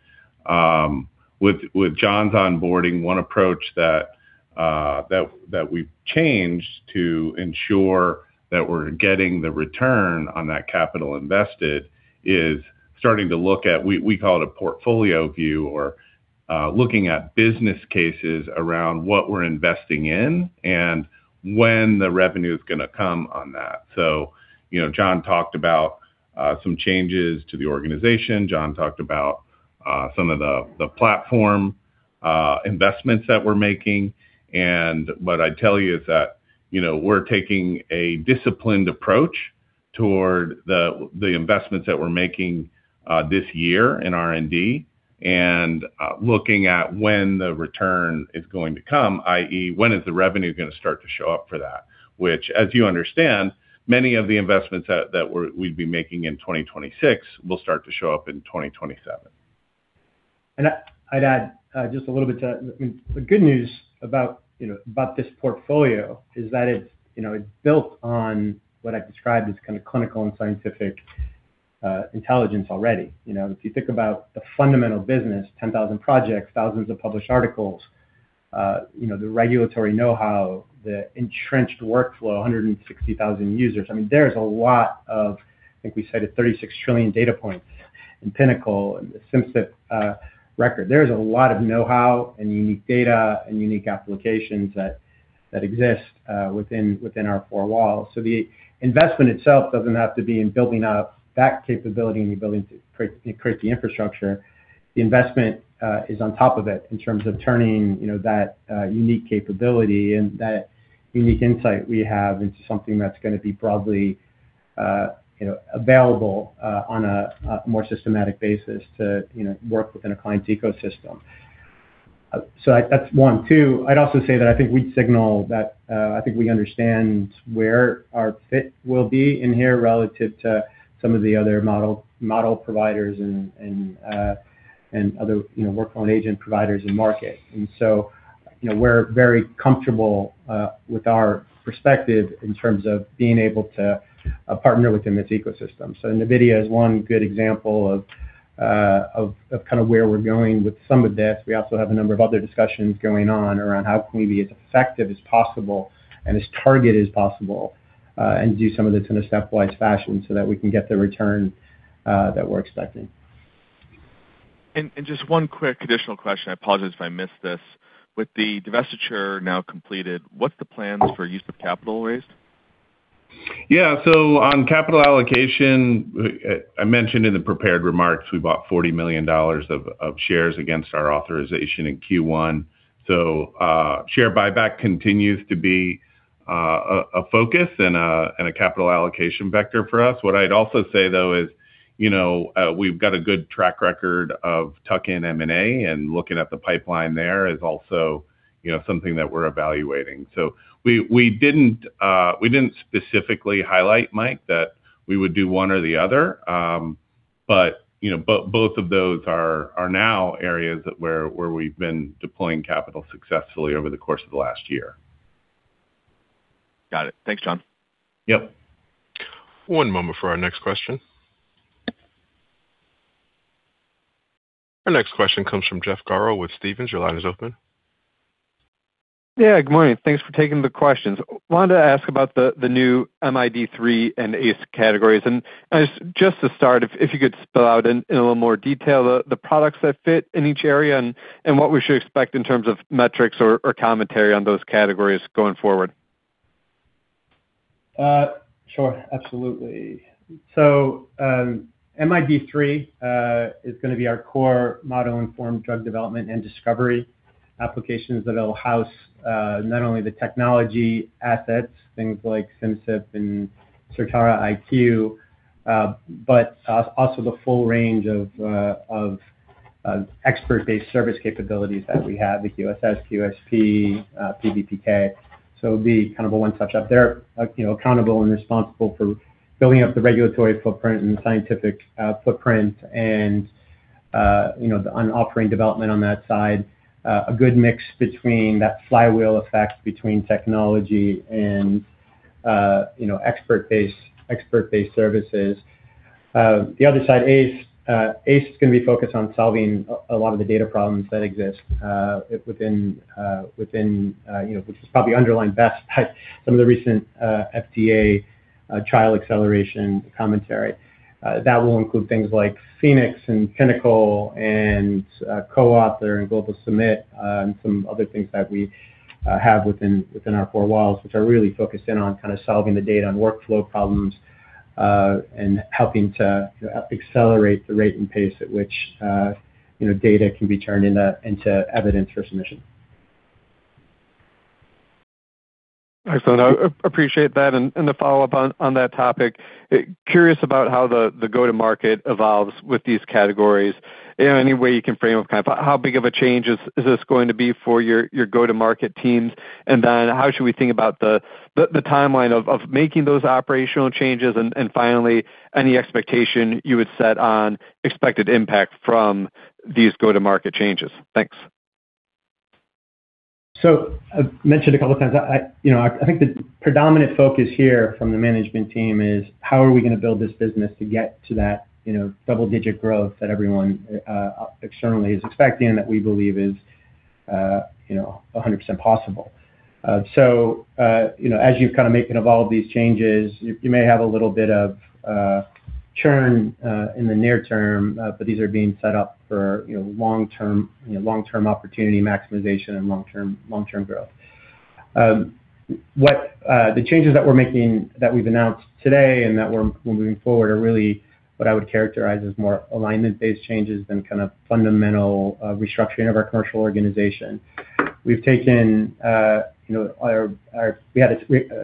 with Jon's onboarding, one approach that we've changed to ensure that we're getting the return on that capital invested is starting to look at, we call it a portfolio view or looking at business cases around what we're investing in and when the revenue's gonna come on that. You know, Jon talked about some changes to the organization. Jon talked about some of the platform investments that we're making. What I'd tell you is that, you know, we're taking a disciplined approach toward the investments that we're making this year in R&D, and looking at when the return is going to come, i.e., when is the revenue gonna start to show up for that? Which, as you understand, many of the investments that we're, we'd be making in 2026 will start to show up in 2027. I'd add just a little bit to that. I mean, the good news about, you know, about this portfolio is that it's, you know, it's built on what I've described as kind of clinical and scientific intelligence already. You know, if you think about the fundamental business, 10,000 projects, thousands of published articles, you know, the regulatory know-how, the entrenched workflow, 160,000 users. I mean, there's a lot of, I think we said a 36 trillion data points in Pinnacle and the Simcyp record. There's a lot of know-how and unique data and unique applications that exist within our four walls. The investment itself doesn't have to be in building up that capability and the ability to create the infrastructure. The investment is on top of it in terms of turning, you know, that unique capability and that unique insight we have into something that's gonna be broadly, you know, available on a more systematic basis to, you know, work within a client's ecosystem. That's one. Two, I'd also say that I think we'd signal that I think we understand where our fit will be in here relative to some of the other model providers and other, you know, workflow and agent providers in market. You know, we're very comfortable with our perspective in terms of being able to partner within this ecosystem. NVIDIA is one good example of kind of where we're going with some of this. We also have a number of other discussions going on around how can we be as effective as possible and as targeted as possible, and do some of this in a stepwise fashion so that we can get the return that we're expecting. Just one quick additional question. I apologize if I missed this. With the divestiture now completed, what's the plans for use of capital raised? On capital allocation, I mentioned in the prepared remarks, we bought $40 million of shares against our authorization in Q1. Share buyback continues to be a focus and a capital allocation vector for us. What I'd also say though is, you know, we've got a good track record of tuck-in M&A, and looking at the pipeline there is also, you know, something that we're evaluating. We didn't specifically highlight, Mike, that we would do one or the other. You know, both of those are now areas that where we've been deploying capital successfully over the course of the last year. Got it. Thanks, John. Yep. One moment for our next question. Our next question comes from Jeff Garro with Stephens. Your line is open. Yeah, good morning. Thanks for taking the questions. Wanted to ask about the new MID3 and ACE categories. As just to start, if you could spell out in a little more detail the products that fit in each area and what we should expect in terms of metrics or commentary on those categories going forward. Sure. Absolutely. MID3 is gonna be our core model-informed drug development and discovery applications that'll house not only the technology assets, things like Simcyp and Certara IQ, but also the full range of expert-based service capabilities that we have with QSS, QSP, PBPK. It'll be kind of a one-touch up. They're, you know, accountable and responsible for building up the regulatory footprint and the scientific footprint and, you know, on offering development on that side, a good mix between that flywheel effect between technology and, you know, expert-based services. The other side, ACE. ACE is gonna be focused on solving a lot of the data problems that exist within which is probably underlined best by some of the recent FDA trial acceleration commentary. That will include things like Phoenix and Clinical and CoAuthor and GlobalSubmit and some other things that we have within our four walls, which are really focused in on kind of solving the data and workflow problems. Helping to accelerate the rate and pace at which data can be turned into evidence for submission. Excellent. I appreciate that. To follow up on that topic, curious about how the go-to-market evolves with these categories. You know, any way you can frame kind of how big of a change is this going to be for your go-to-market teams? How should we think about the timeline of making those operational changes? Finally, any expectation you would set on expected impact from these go-to-market changes? Thanks. I've mentioned a couple times, You know, I think the predominant focus here from the management team is how are we gonna build this business to get to that, you know, double-digit growth that everyone externally is expecting, that we believe is, you know, 100% possible. You know, as you kind of make and evolve these changes, you may have a little bit of churn in the near term, but these are being set up for, you know, long-term, you know, long-term opportunity maximization and long-term growth. The changes that we're making, that we've announced today and that we're moving forward are really what I would characterize as more alignment-based changes than kind of fundamental restructuring of our commercial organization. We've taken, you know, our.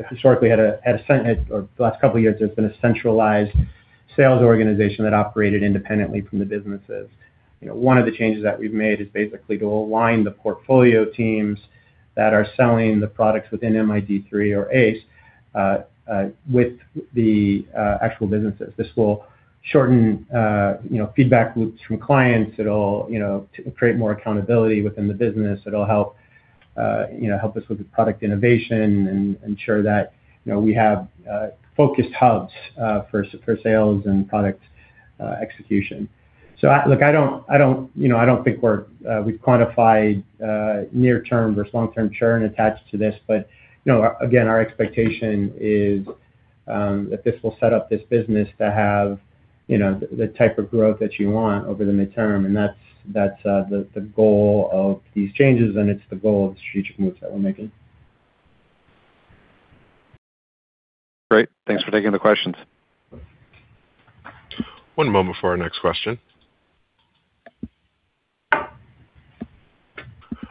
Historically, or the last couple years, there's been a centralized sales organization that operated independently from the businesses. One of the changes that we've made is basically to align the portfolio teams that are selling the products within MID3 or ACE with the actual businesses. This will shorten, you know, feedback loops from clients. It'll, you know, create more accountability within the business. It'll help, you know, help us with the product innovation and ensure that, you know, we have focused hubs for sales and product execution. Look, I don't, I don't You know, I don't think we're, we've quantified, near term versus long-term churn attached to this. You know, again, our expectation is that this will set up this business to have, you know, the type of growth that you want over the midterm. That's the goal of these changes, and it's the goal of the strategic moves that we're making. Great. Thanks for taking the questions. One moment for our next question.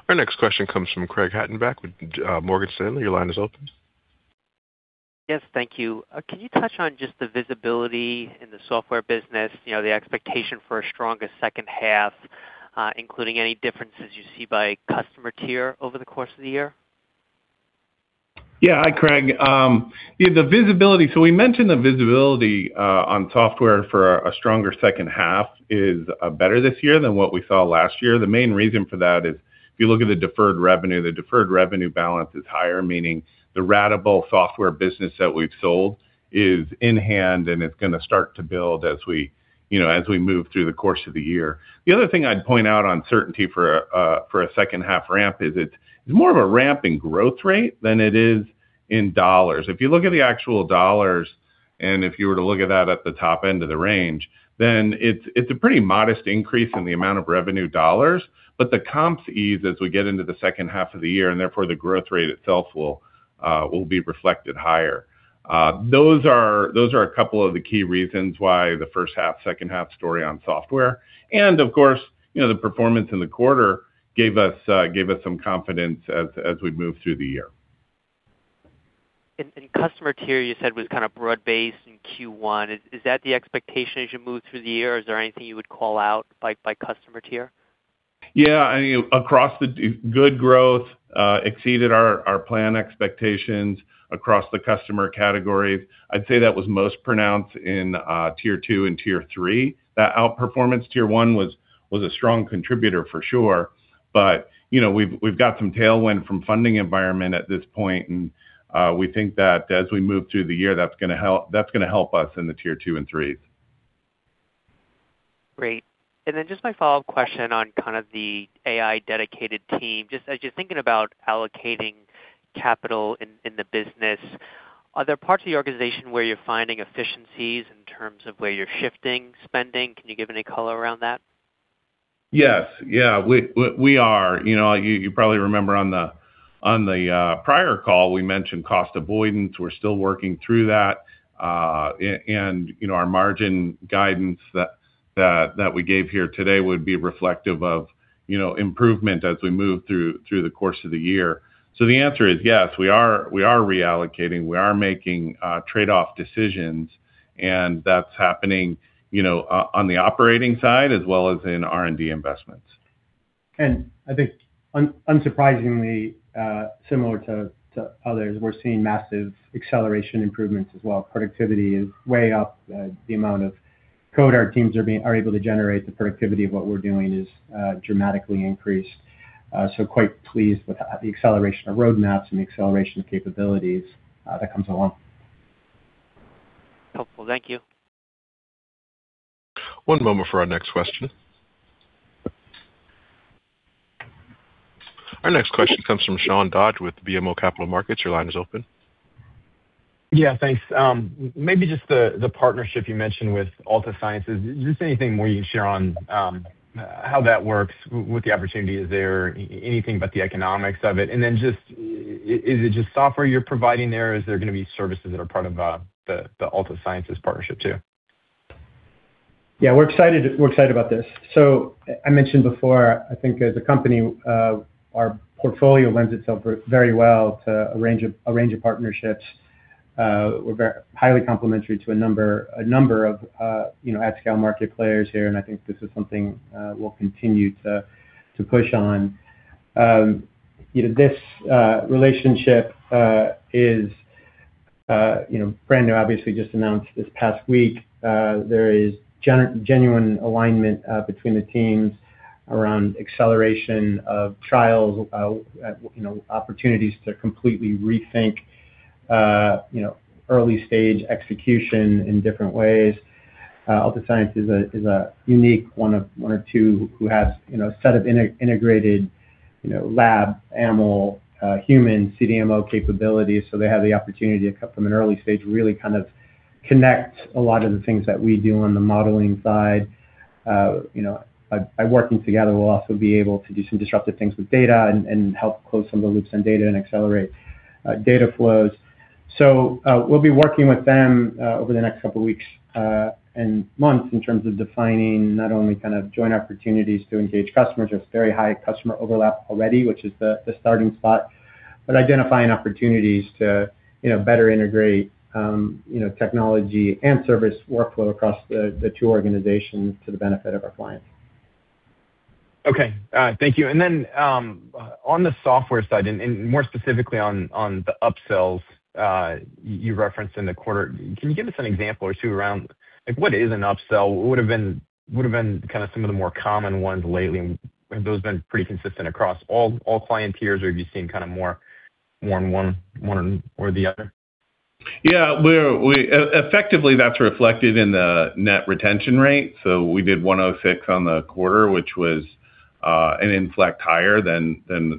Our next question comes from Craig Hettenbach with Morgan Stanley. Your line is open. Yes, thank you. Can you touch on just the visibility in the software business, you know, the expectation for a stronger second half, including any differences you see by customer tier over the course of the year? Yeah. Hi, Craig. Yeah, the visibility. We mentioned the visibility on software for a stronger second half is better this year than what we saw last year. The main reason for that is if you look at the deferred revenue, the deferred revenue balance is higher, meaning the ratable software business that we've sold is in hand, and it's gonna start to build as we, you know, as we move through the course of the year. The other thing I'd point out on Certara for a second half ramp is it's more of a ramp in growth rate than it is in dollars. If you look at the actual dollars, if you were to look at that at the top end of the range, it's a pretty modest increase in the amount of revenue dollars. The comps ease as we get into the second half of the year, and therefore the growth rate itself will be reflected higher. Those are a couple of the key reasons why the first half/second half story on software. Of course, you know, the performance in the quarter gave us some confidence as we move through the year. Customer tier you said was kind of broad-based in Q1. Is that the expectation as you move through the year? Is there anything you would call out by customer tier? Yeah. I mean, across the Good growth exceeded our plan expectations across the customer categories. I'd say that was most pronounced in tier two and tier three. That outperformance tier one was a strong contributor for sure. You know, we've got some tailwind from funding environment at this point. We think that as we move through the year, that's gonna help us in the tier two and threes. Great. Just my follow-up question on kind of the AI dedicated team. Just as you're thinking about allocating capital in the business, are there parts of the organization where you're finding efficiencies in terms of where you're shifting spending? Can you give any color around that? Yes. Yeah. We are. You know, you probably remember on the prior call, we mentioned cost avoidance. We're still working through that. You know, our margin guidance that we gave here today would be reflective of, you know, improvement as we move through the course of the year. The answer is yes, we are reallocating. We are making trade-off decisions, and that's happening, you know, on the operating side as well as in R&D investments. I think unsurprisingly, similar to others, we're seeing massive acceleration improvements as well. Productivity is way up. The amount of code our teams are able to generate, the productivity of what we're doing is dramatically increased. Quite pleased with the acceleration of roadmaps and the acceleration of capabilities that comes along. Helpful. Thank you. One moment for our next question. Our next question comes from Sean Dodge with BMO Capital Markets. Your line is open. Yeah, thanks. Maybe just the partnership you mentioned with Altasciences. Is there anything more you can share on how that works with the opportunity? Is there anything about the economics of it? Is it just software you're providing there, or is there gonna be services that are part of the Altasciences partnership too? Yeah, we're excited about this. I mentioned before, I think as a company, our portfolio lends itself very well to a range of partnerships. We're very highly complementary to a number of, you know, at-scale market players here, and I think this is something we'll continue to push on. You know, this relationship is, you know, brand new, obviously just announced this past week. There is genuine alignment between the teams around acceleration of trials, you know, opportunities to completely rethink, you know, early stage execution in different ways. Altasciences is a unique one of two who has, you know, set up integrated, you know, lab, animal, human CDMO capabilities, so they have the opportunity to come from an early stage, really kind of connect a lot of the things that we do on the modeling side. You know, by working together, we'll also be able to do some disruptive things with data and help close some of the loops on data and accelerate data flows. We'll be working with them over the next couple of weeks and months in terms of defining not only kind of joint opportunities to engage customers. There's very high customer overlap already, which is the starting spot. Identifying opportunities to, you know, better integrate, you know, technology and service workflow across the two organizations to the benefit of our clients. Okay. Thank you. On the software side and more specifically on the upsells you referenced in the quarter, can you give us an example or two around, like what is an upsell? What would've been kind of some of the more common ones lately, and have those been pretty consistent across all client tiers, or have you seen kind of more on one or the other? Effectively, that's reflected in the net retention rate. We did 106 on the quarter, which was an inflect higher than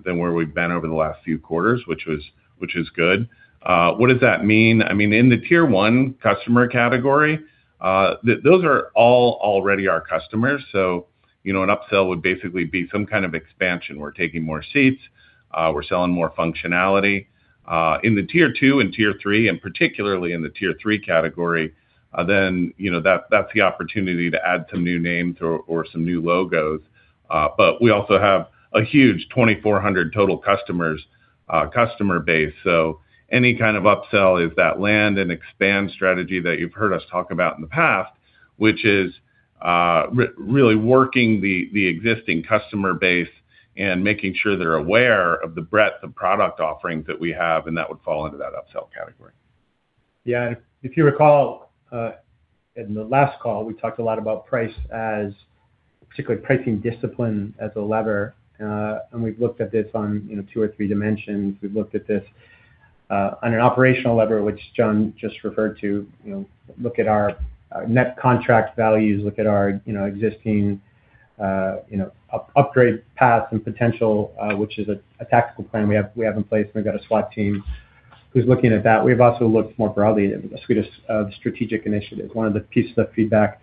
where we've been over the last few quarters, which is good. What does that mean? I mean, in the tier one customer category, those are already our customers. You know, an upsell would basically be some kind of expansion. We're taking more seats, we're selling more functionality. In the tier two and tier three, and particularly in the tier three category, you know, that's the opportunity to add some new names or some new logos. We also have a huge 2,400 total customers, customer base. Any kind of upsell is that land and expand strategy that you've heard us talk about in the past, which is really working the existing customer base and making sure they're aware of the breadth of product offerings that we have, and that would fall under that upsell category. Yeah. If you recall, in the last call, we talked a lot about price as particularly pricing discipline as a lever. We've looked at this on, you know, two or three dimensions. We've looked at this on an operational lever, which John just referred to. You know, look at our net contract values, look at our, you know, existing, you know, up-upgrade paths and potential, which is a tactical plan we have in place, and we've got a SWAT team who's looking at that. We've also looked more broadly at a suite of strategic initiatives. One of the pieces of feedback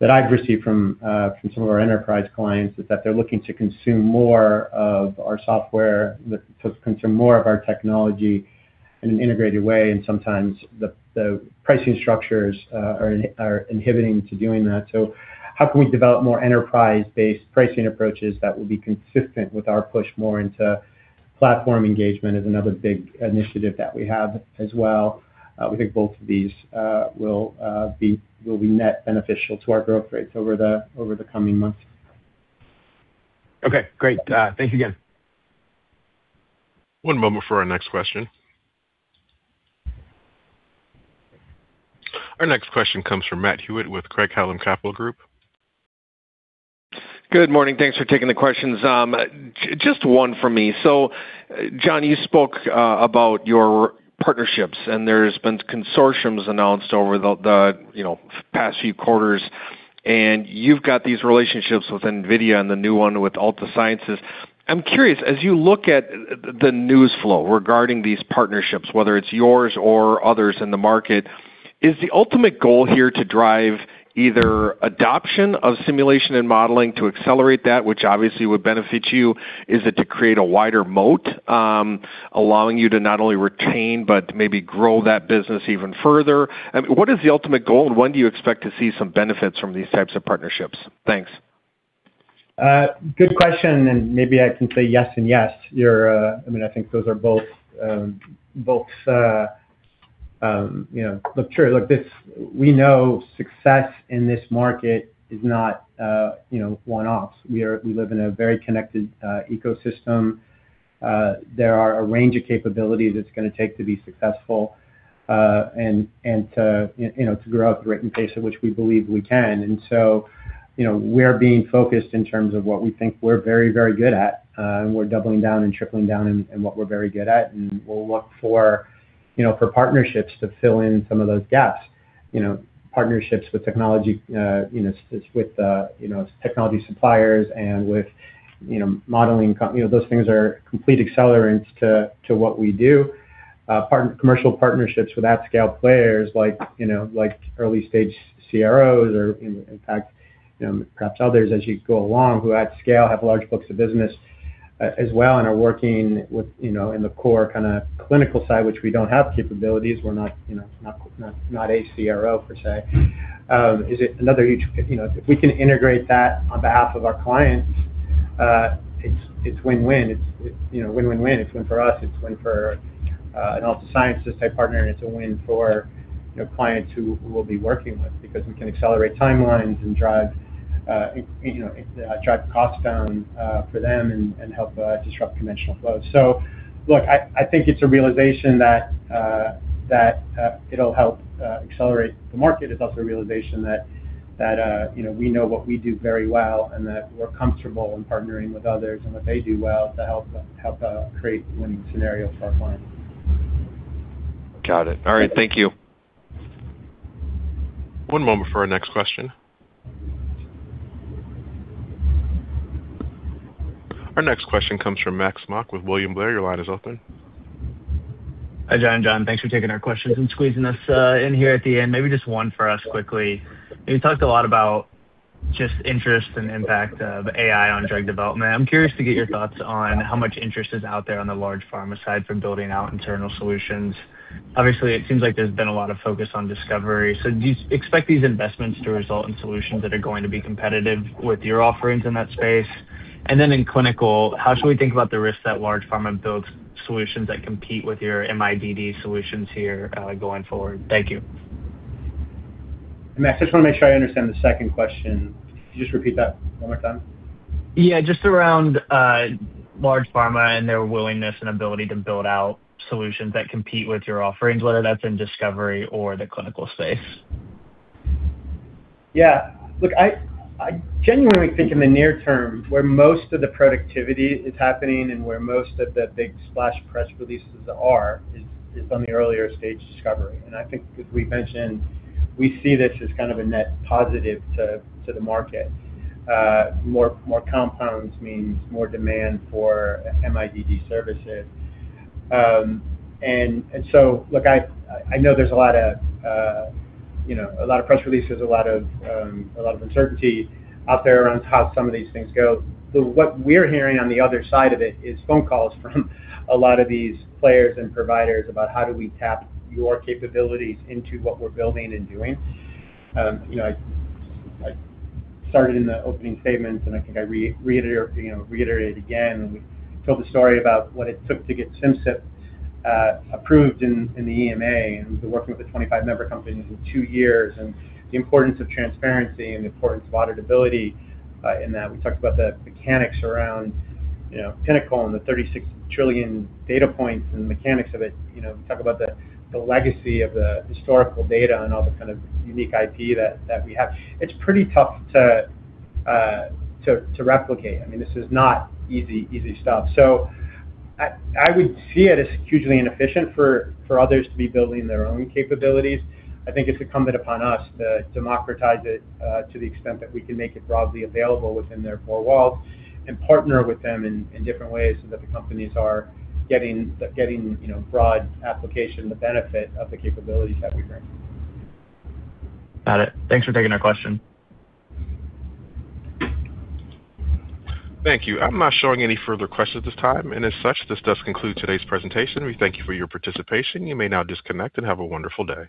that I've received from some of our enterprise clients is that they're looking to consume more of our software, to consume more of our technology in an integrated way, and sometimes the pricing structures, are inhibiting to doing that. How can we develop more enterprise-based pricing approaches that will be consistent with our push more into platform engagement is another big initiative that we have as well. We think both of these, will be net beneficial to our growth rates over the coming months. Okay, great. Thanks again. One moment for our next question. Our next question comes from Matthew Hewitt with Craig-Hallum Capital Group. Good morning. Thanks for taking the questions. Just one from me. Jon, you spoke about your partnerships, and there's been consortiums announced over the, you know, past few quarters. You've got these relationships with NVIDIA and the new one with Altasciences. I'm curious, as you look at the news flow regarding these partnerships, whether it's yours or others in the market, is the ultimate goal here to drive either adoption of simulation and modeling to accelerate that, which obviously would benefit you? Is it to create a wider moat, allowing you to not only retain but maybe grow that business even further? I mean, what is the ultimate goal, and when do you expect to see some benefits from these types of partnerships? Thanks. Good question, maybe I can say yes, and yes. I mean, I think those are both, you know, we know success in this market is not, you know, one-offs. We live in a very connected ecosystem. There are a range of capabilities it's gonna take to be successful, and to, you know, to grow at the rate and pace at which we believe we can. You know, we're being focused in terms of what we think we're very, very good at, and we're doubling down and tripling down in what we're very good at. We'll look for, you know, for partnerships to fill in some of those gaps. You know, partnerships with technology, you know, it's with, you know, it's technology suppliers and with, you know, modeling, you know, those things are complete accelerants to what we do. Commercial partnerships with at-scale players like, you know, like early-stage CROs or in fact, you know, perhaps others as you go along who at scale have large books of business as well and are working with, you know, in the core kind of clinical side, which we don't have capabilities. We're not, you know, not CRO per se. Is it another? You know, if we can integrate that on behalf of our clients, it's win-win. It's, you know, win, win. It's win for us, it's win for an health sciences type partner, and it's a win for, you know, clients who we'll be working with because we can accelerate timelines and drive, you know, drive costs down for them and help disrupt conventional flows. Look, I think it's a realization that it'll help accelerate the market. It's also a realization that, you know, we know what we do very well and that we're comfortable in partnering with others and what they do well to help create winning scenarios for our clients. Got it. All right. Thank you. One moment for our next question. Our next question comes from Max Smock with William Blair. Your line is open. Hi, Jon and John. Thanks for taking our questions and squeezing us in here at the end. Maybe just one for us quickly. You talked a lot about just interest and impact of AI on drug development. I'm curious to get your thoughts on how much interest is out there on the large pharma side from building out internal solutions. Obviously, it seems like there's been a lot of focus on discovery. Do you expect these investments to result in solutions that are going to be competitive with your offerings in that space? In clinical, how should we think about the risks that large pharma builds solutions that compete with your MIDD solutions here going forward? Thank you. Max, I just want to make sure I understand the second question. Can you just repeat that one more time? Yeah, just around large pharma and their willingness and ability to build out solutions that compete with your offerings, whether that's in discovery or the clinical space. Look, I genuinely think in the near term, where most of the productivity is happening and where most of the big splash press releases are is on the earlier stage discovery. I think as we've mentioned, we see this as kind of a net positive to the market. More compounds means more demand for MIDD services. Look, I know there's a lot of, you know, a lot of press releases, a lot of uncertainty out there around how some of these things go. What we're hearing on the other side of it is phone calls from a lot of these players and providers about how do we tap your capabilities into what we're building and doing. You know, I started in the opening statements, and I think I reiterated again when we told the story about what it took to get Simcyp approved in the EMA, and we've been working with the 25 member companies in two years and the importance of transparency and the importance of auditability in that. We talked about the mechanics around, you know, Pinnacle 21 and the 36 trillion data points and the mechanics of it. You know, we talk about the legacy of the historical data and all the kind of unique IP that we have. It's pretty tough to replicate. I mean, this is not easy stuff. I would see it as hugely inefficient for others to be building their own capabilities. I think it's incumbent upon us to democratize it, to the extent that we can make it broadly available within their four walls and partner with them in different ways so that the companies are getting, you know, broad application, the benefit of the capabilities that we bring. Got it. Thanks for taking our question. Thank you. I am not showing any further questions at this time. As such, this does conclude today's presentation. We thank you for your participation. You may now disconnect. Have a wonderful day.